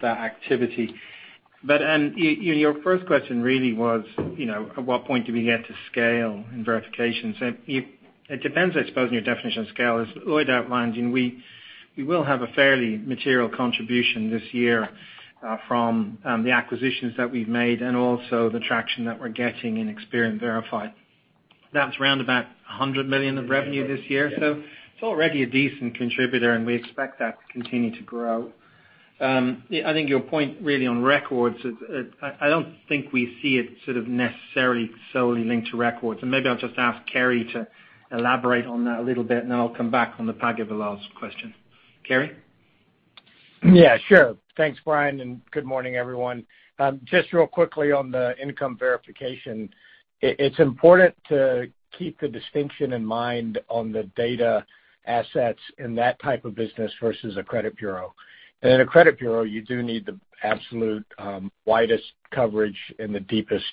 that activity. Your first question really was, you know, at what point do we get to scale in verification? It depends, I suppose, on your definition of scale. As Lloyd outlined, you know, we will have a fairly material contribution this year from the acquisitions that we've made and also the traction that we're getting in Experian Verify. That's around $100 million of revenue this year, so it's already a decent contributor, and we expect that to continue to grow. Yeah, I think your point really on records. I don't think we see it sort of necessarily solely linked to records. Maybe I'll just ask Kerry to elaborate on that a little bit, and then I'll come back on the Pague Menos question. Kerry? Yeah, sure. Thanks, Brian, and good morning, everyone. Just real quickly on the income verification, it's important to keep the distinction in mind on the data assets in that type of business versus a credit bureau. In a credit bureau, you do need the absolute, widest coverage and the deepest,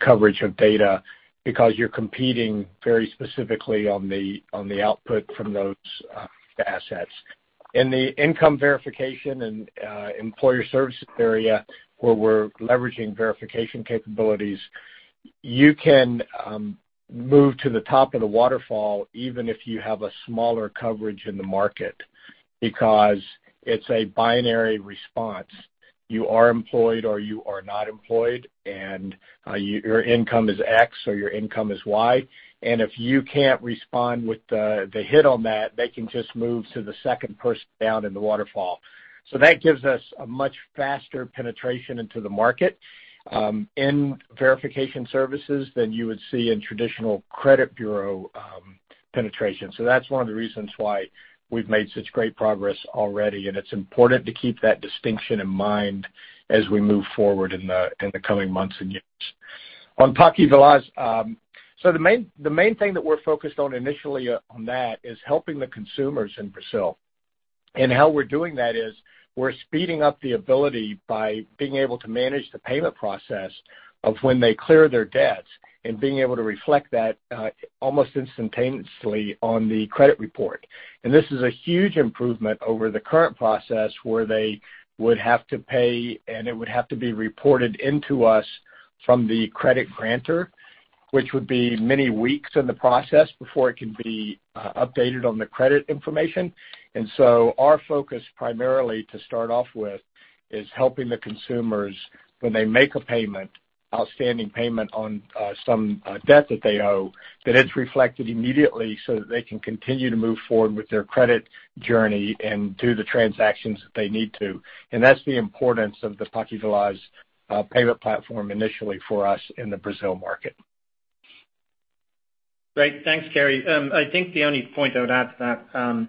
coverage of data because you're competing very specifically on the output from those assets. In the income verification and employer services area, where we're leveraging verification capabilities, you can move to the top of the waterfall even if you have a smaller coverage in the market because it's a binary response. You are employed or you are not employed, and your income is X or your income is Y. If you can't respond with the hit on that, they can just move to the second person down in the waterfall. That gives us a much faster penetration into the market in verification services than you would see in traditional credit bureau penetration. That's one of the reasons why we've made such great progress already, and it's important to keep that distinction in mind as we move forward in the coming months and years. On Pague Veloz, the main thing that we're focused on initially on that is helping the consumers in Brazil. How we're doing that is we're speeding up the ability by being able to manage the payment process of when they clear their debts and being able to reflect that almost instantaneously on the credit report. This is a huge improvement over the current process where they would have to pay and it would have to be reported into us from the credit granter, which would be many weeks in the process before it can be updated on the credit information. Our focus primarily to start off with is helping the consumers when they make a payment, outstanding payment on some debt that they owe, that it's reflected immediately so that they can continue to move forward with their credit journey and do the transactions that they need to. That's the importance of the Pague Veloz payment platform initially for us in the Brazil market. Great. Thanks, Kerry. I think the only point I would add to that,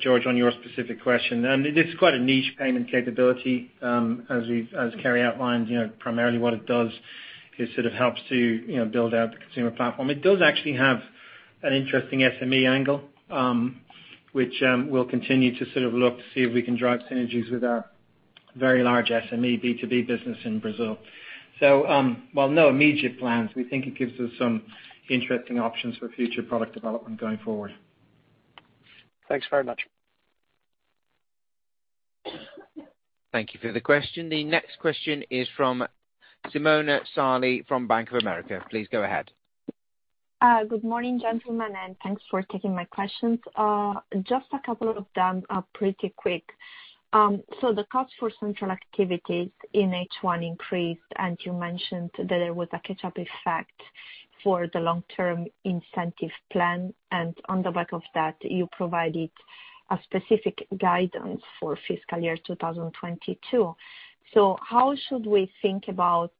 George, on your specific question, and it is quite a niche payment capability, as Kerry outlined. You know, primarily what it does is sort of helps to, you know, build out the consumer platform. It does actually have an interesting SME angle, which, we'll continue to sort of look to see if we can drive synergies with our very large SME B2B business in Brazil. While no immediate plans, we think it gives us some interesting options for future product development going forward. Thanks very much. Thank you for the question. The next question is from Simona Sarli from Bank of America. Please go ahead. Good morning, gentlemen, and thanks for taking my questions. Just a couple of them, pretty quick. The cost for central activities in H1 increased, and you mentioned that there was a catch-up effect. For the long term incentive plan and on the back of that, you provided a specific guidance for fiscal year 2022. How should we think about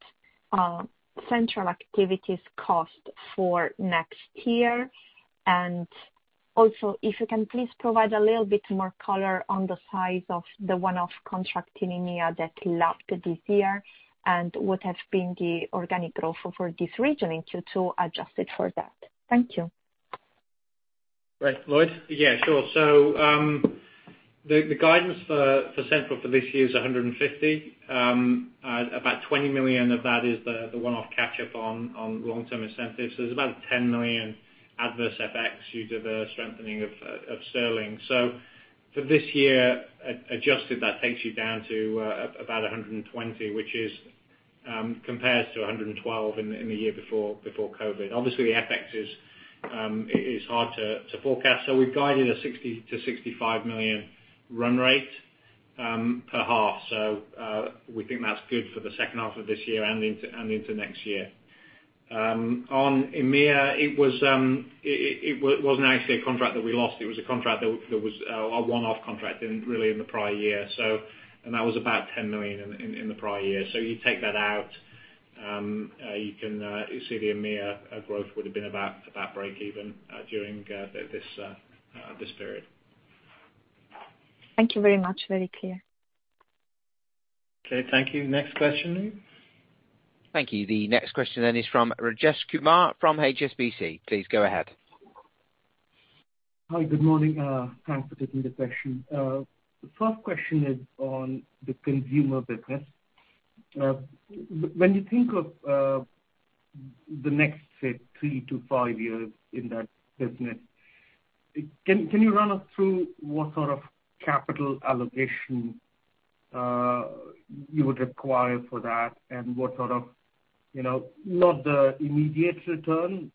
central activities cost for next year? If you can please provide a little bit more color on the size of the one-off contract in EMEA that lapsed this year and what has been the organic growth for this region in Q2 adjusted for that. Thank you. Right. Lloyd? Yeah, sure. The guidance for Central for this year is $150 million. About $20 million of that is the one-off catch-up on long-term incentives. There's about $10 million adverse FX due to the strengthening of sterling. For this year, adjusted, that takes you down to about $120 million, which compares to $112 million in the year before COVID. Obviously, FX is hard to forecast. We've guided a $60 million-$65 million run rate per half. We think that's good for the second half of this year and into next year. On EMEA, it wasn't actually a contract that we lost. It was a contract that was our one-off contract in really in the prior year. That was about $10 million in the prior year. You take that out, you can see the EMEA growth would have been about break even during this period. Thank you very much. Very clear. Okay, thank you. Next question then. Thank you. The next question is from Rajesh Kumar from HSBC. Please go ahead. Hi, good morning. Thanks for taking the question. The first question is on the consumer business. When you think of the next, say, three to five years in that business, can you run us through what sort of capital allocation you would require for that and what sort of, you know, not the immediate return,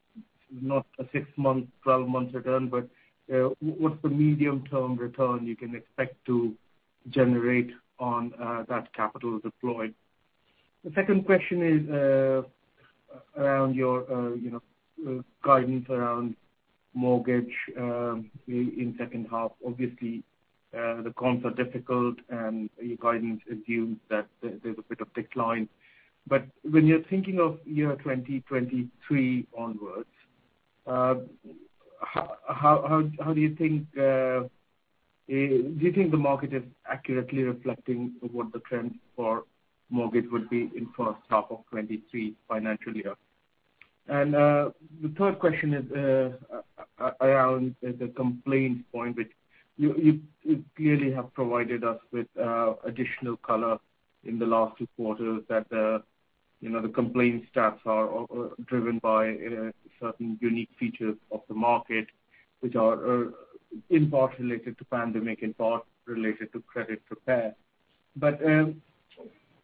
not a six-month, 12-month return, but what's the medium-term return you can expect to generate on that capital deployed? The second question is around your, you know, guidance around mortgage in second half. Obviously, the comps are difficult and your guidance assumes that there's a bit of decline. When you're thinking of year 2023 onwards, how do you think the market is accurately reflecting what the trend for mortgage would be in first half of 2023 financial year? The third question is around the complaints point, which you clearly have provided us with additional color in the last two quarters that you know the complaint stats are driven by certain unique features of the market, which are in part related to pandemic, in part related to credit repair.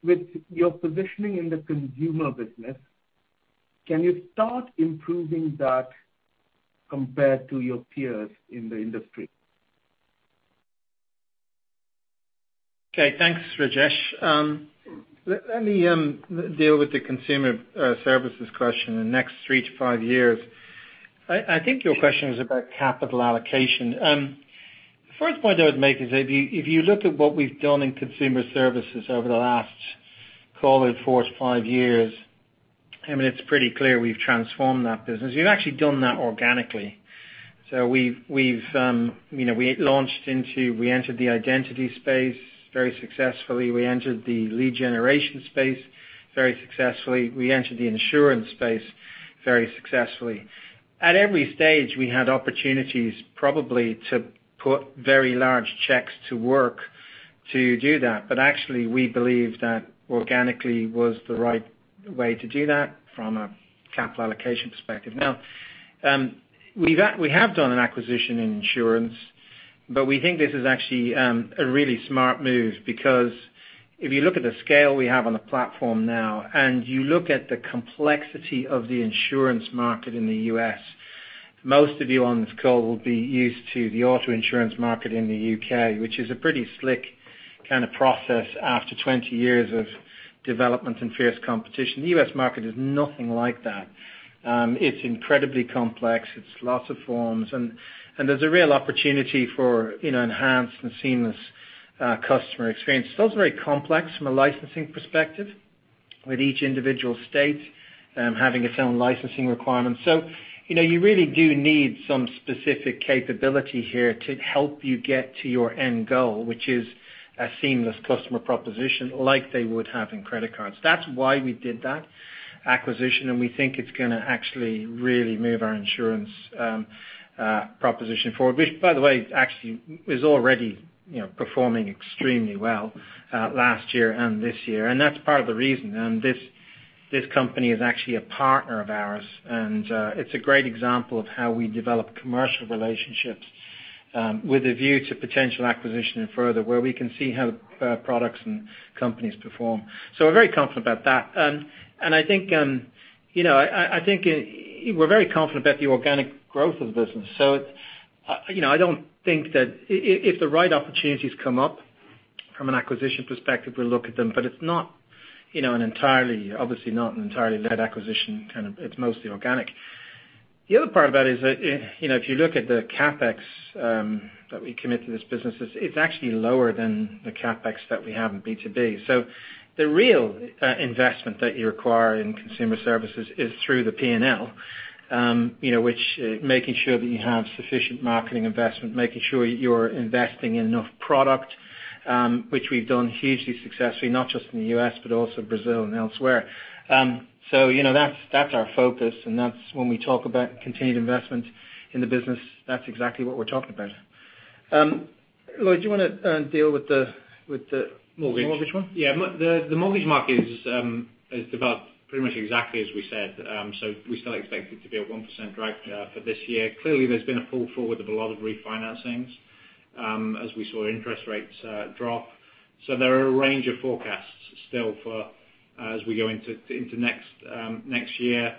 With your positioning in the consumer business, can you start improving that compared to your peers in the industry? Okay, thanks, Rajesh. Let me deal with the consumer services question in the next three to five years. I think your question is about capital allocation. The first point I would make is if you look at what we've done in consumer services over the last call it four to five years. I mean, it's pretty clear we've transformed that business. We've actually done that organically. We entered the identity space very successfully. We entered the lead generation space very successfully. We entered the insurance space very successfully. At every stage, we had opportunities probably to put very large checks to work to do that. Actually, we believed that organically was the right way to do that from a capital allocation perspective. Now, we have done an acquisition in insurance, but we think this is actually a really smart move because if you look at the scale we have on the platform now and you look at the complexity of the insurance market in the U.S., most of you on this call will be used to the auto insurance market in the U.K., which is a pretty slick kinda process after 20 years of development and fierce competition. The U.S. market is nothing like that. It's incredibly complex. It's lots of forms. There's a real opportunity for, you know, enhanced and seamless customer experience. It's also very complex from a licensing perspective, with each individual state having its own licensing requirements. You know, you really do need some specific capability here to help you get to your end goal, which is a seamless customer proposition like they would have in credit cards. That's why we did that acquisition, and we think it's gonna actually really move our insurance proposition forward. Which, by the way, actually is already, you know, performing extremely well last year and this year. That's part of the reason. This company is actually a partner of ours and it's a great example of how we develop commercial relationships with a view to potential acquisition and further, where we can see how products and companies perform. We're very confident about that. I think, you know, we're very confident about the organic growth of the business. You know, I don't think that if the right opportunities come up. From an acquisition perspective, we look at them, but it's not, you know, an entirely, obviously not an entirely led acquisition kind of; it's mostly organic. The other part of that is that, you know, if you look at the CapEx that we commit to this business, it's actually lower than the CapEx that we have in B2B. The real investment that you require in consumer services is through the P&L, you know, which making sure that you have sufficient marketing investment, making sure you're investing in enough product, which we've done hugely successfully, not just in the U.S., but also Brazil and elsewhere. You know, that's our focus, and that's when we talk about continued investment in the business, that's exactly what we're talking about. Lloyd, do you wanna deal with the Mortgage Mortgage one? Yeah. The mortgage market has developed pretty much exactly as we said. We still expect it to be a 1% drag factor for this year. Clearly, there's been a pull forward of a lot of refinancings as we saw interest rates drop. There are a range of forecasts still for as we go into next year.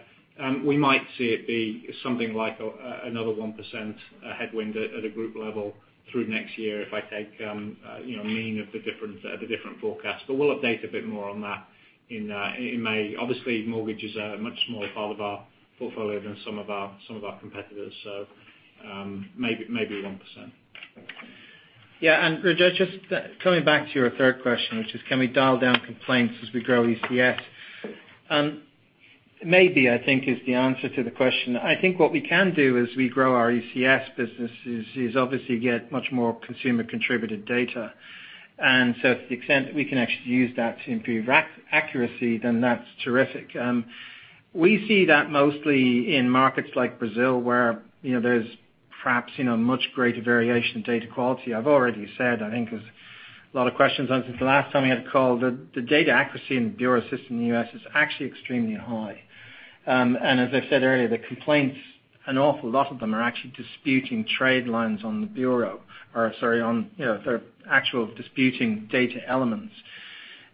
We might see it be something like another 1% headwind at a group level through next year if I take you know a mean of the different forecasts. We'll update a bit more on that in May. Obviously, mortgage is a much smaller part of our portfolio than some of our competitors, maybe 1%. Rajesh, just coming back to your third question, which is, can we dial down complaints as we grow ECS? Maybe, I think, is the answer to the question. I think what we can do as we grow our ECS business is obviously get much more consumer contributed data. To the extent that we can actually use that to improve accuracy, then that's terrific. We see that mostly in markets like Brazil, where, you know, there's perhaps, you know, much greater variation in data quality. I've already said, I think there's a lot of questions since the last time we had a call, the data accuracy in the bureau system in the U.S. is actually extremely high. As I said earlier, the complaints, an awful lot of them are actually disputing tradelines on the bureau, you know, they're actually disputing data elements.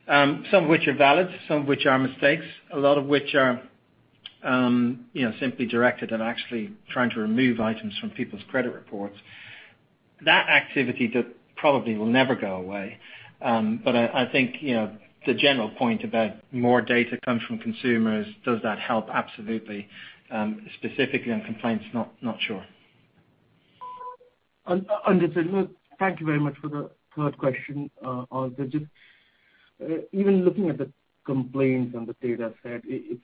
Some of which are valid, some of which are mistakes, a lot of which are, you know, simply directed at actually trying to remove items from people's credit reports. That activity probably will never go away. I think, you know, the general point about more data comes from consumers, does that help? Absolutely. Specifically on complaints, not sure. thank you very much for the third question. Even looking at the complaints and the data set, it's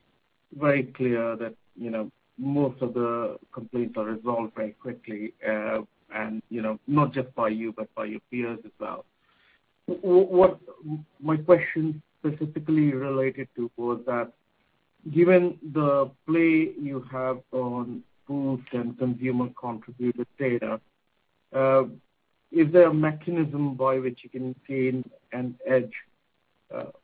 very clear that, you know, most of the complaints are resolved very quickly, and, you know, not just by you, but by your peers as well. What my question specifically related to was that given the play you have on Boost and consumer contributed data, is there a mechanism by which you can gain an edge,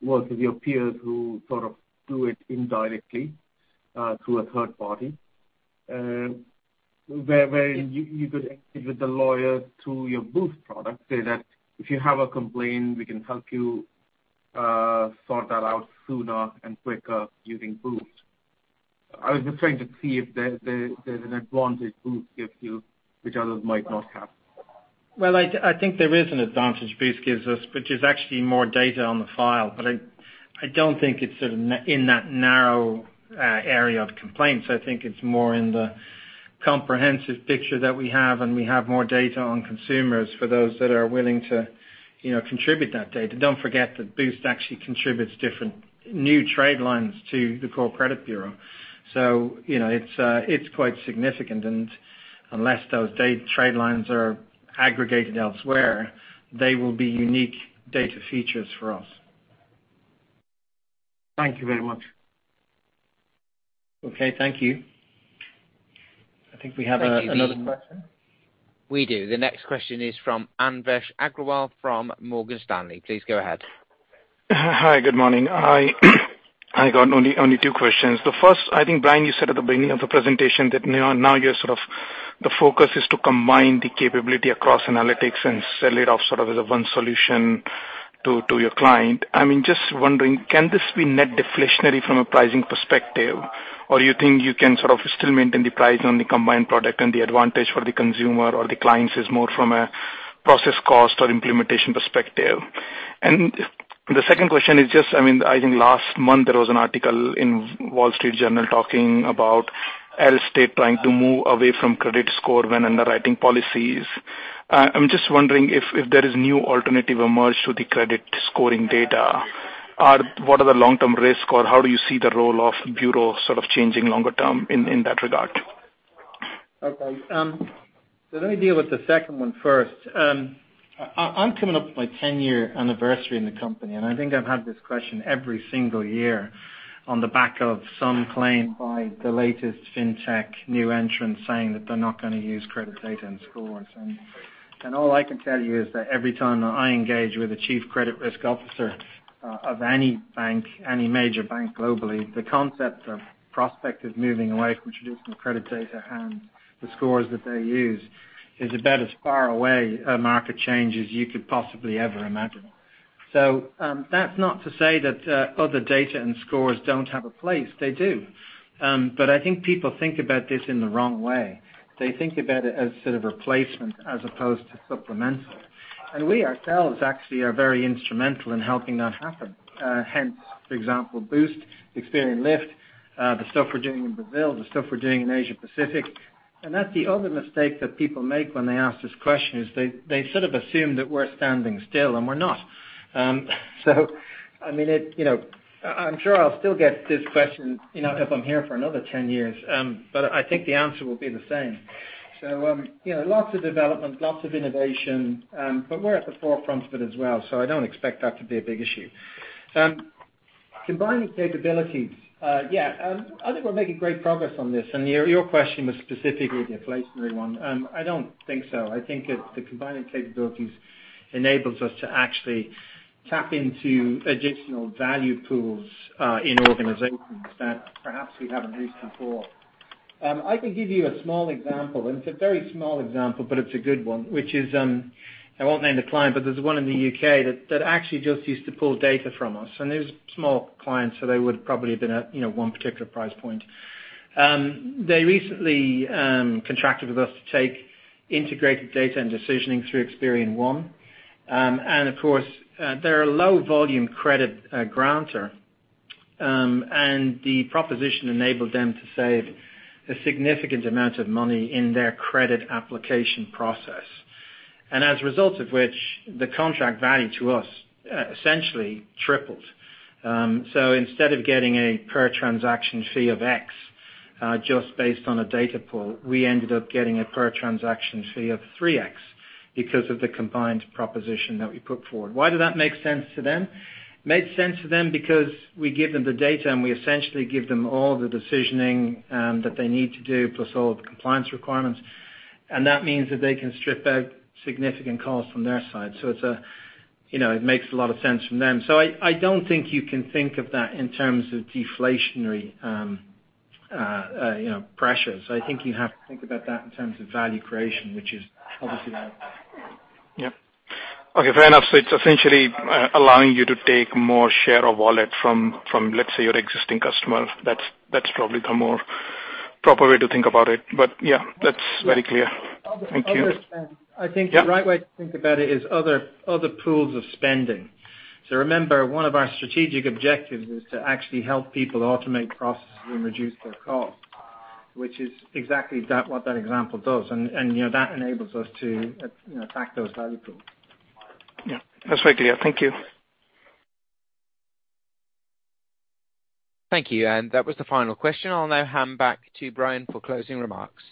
versus your peers who sort of do it indirectly, through a third party? Where you could activate the lawyer through your Boost product, say that if you have a complaint, we can help you sort that out sooner and quicker using Boost. I was just trying to see if there's an advantage Boost gives you which others might not have. Well, I think there is an advantage Boost gives us, which is actually more data on the file. I don't think it's in that narrow area of complaints. I think it's more in the comprehensive picture that we have, and we have more data on consumers for those that are willing to, you know, contribute that data. Don't forget that Boost actually contributes different new trade lines to the core credit bureau. You know, it's quite significant. Unless those trade lines are aggregated elsewhere, they will be unique data features for us. Thank you very much. Okay, thank you. I think we have another question. We do. The next question is from Anvesh Agrawal from Morgan Stanley. Please go ahead. Hi, good morning. I got only two questions. The first, I think, Brian, you said at the beginning of the presentation that now you're sort of the focus is to combine the capability across analytics and sell it off sort of as a one solution to your client. I mean, just wondering, can this be net deflationary from a pricing perspective? Or you think you can sort of still maintain the price on the combined product and the advantage for the consumer or the clients is more from a process cost or implementation perspective? The second question is just, I mean, I think last month there was an article in The Wall Street Journal talking about Allstate trying to move away from credit score when underwriting policies. I'm just wondering if there is a new alternative emerging to the credit scoring data, what are the long-term risks or how do you see the role of bureau sort of changing long term in that regard? Okay. Let me deal with the second one first. I'm coming up to my ten-year anniversary in the company, and I think I've had this question every single year on the back of some claim by the latest fintech new entrant saying that they're not gonna use credit data and scores. All I can tell you is that every time I engage with a chief credit risk officer of any bank, any major bank globally, the concept of prospect of moving away from traditional credit data and the scores that they use is about as far away a market change as you could possibly ever imagine. That's not to say that other data and scores don't have a place, they do. I think people think about this in the wrong way. They think about it as sort of replacement as opposed to supplemental. We ourselves actually are very instrumental in helping that happen. Hence, for example, Boost, Experian Lift, the stuff we're doing in Brazil, the stuff we're doing in Asia-Pacific. That's the other mistake that people make when they ask this question, is they sort of assume that we're standing still, and we're not. I mean, you know. I'm sure I'll still get this question, you know, if I'm here for another 10 years, but I think the answer will be the same. You know, lots of development, lots of innovation, but we're at the forefront of it as well, so I don't expect that to be a big issue. Combining capabilities. I think we're making great progress on this, and your question was specifically the inflationary one. I don't think so. I think the combining capabilities enables us to actually tap into additional value pools in organizations that perhaps we haven't reached before. I can give you a small example, and it's a very small example, but it's a good one, which is, I won't name the client, but there's one in the U.K. that actually just used to pull data from us. It was a small client, so they would probably have been at, you know, one particular price point. They recently contracted with us to take integrated data and decisioning through Experian One. Of course, they're a low volume credit granter. The proposition enabled them to save a significant amount of money in their credit application process. As a result of which, the contract value to us essentially tripled. Instead of getting a per transaction fee of X just based on a data pull, we ended up getting a per transaction fee of three X because of the combined proposition that we put forward. Why did that make sense to them? It made sense to them because we give them the data, and we essentially give them all the decisioning that they need to do, plus all of the compliance requirements. That means that they can strip out significant costs from their side. You know, it makes a lot of sense from them. I don't think you can think of that in terms of deflationary, you know, pressures. I think you have to think about that in terms of value creation, which is obviously that. Yeah. Okay, fair enough. It's essentially allowing you to take more share of wallet from, let's say, your existing customers. That's probably the more proper way to think about it. Yeah, that's very clear. Thank you. I'll go expand. Yeah. I think the right way to think about it is other pools of spending. Remember, one of our strategic objectives is to actually help people automate processes and reduce their costs, which is exactly that, what that example does. You know, that enables us to, you know, attack those value pools. Yeah. That's very clear. Thank you. Thank you. That was the final question. I'll now hand back to Brian for closing remarks.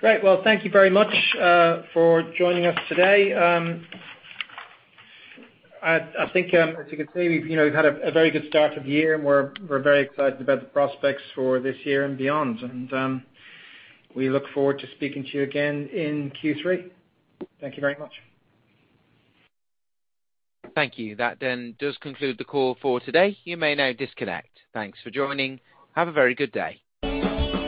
Great. Well, thank you very much for joining us today. I think, as you can see, we've had a very good start of the year, and we're very excited about the prospects for this year and beyond. We look forward to speaking to you again in Q3. Thank you very much. Thank you. That then does conclude the call for today. You may now disconnect. Thanks for joining. Have a very good day.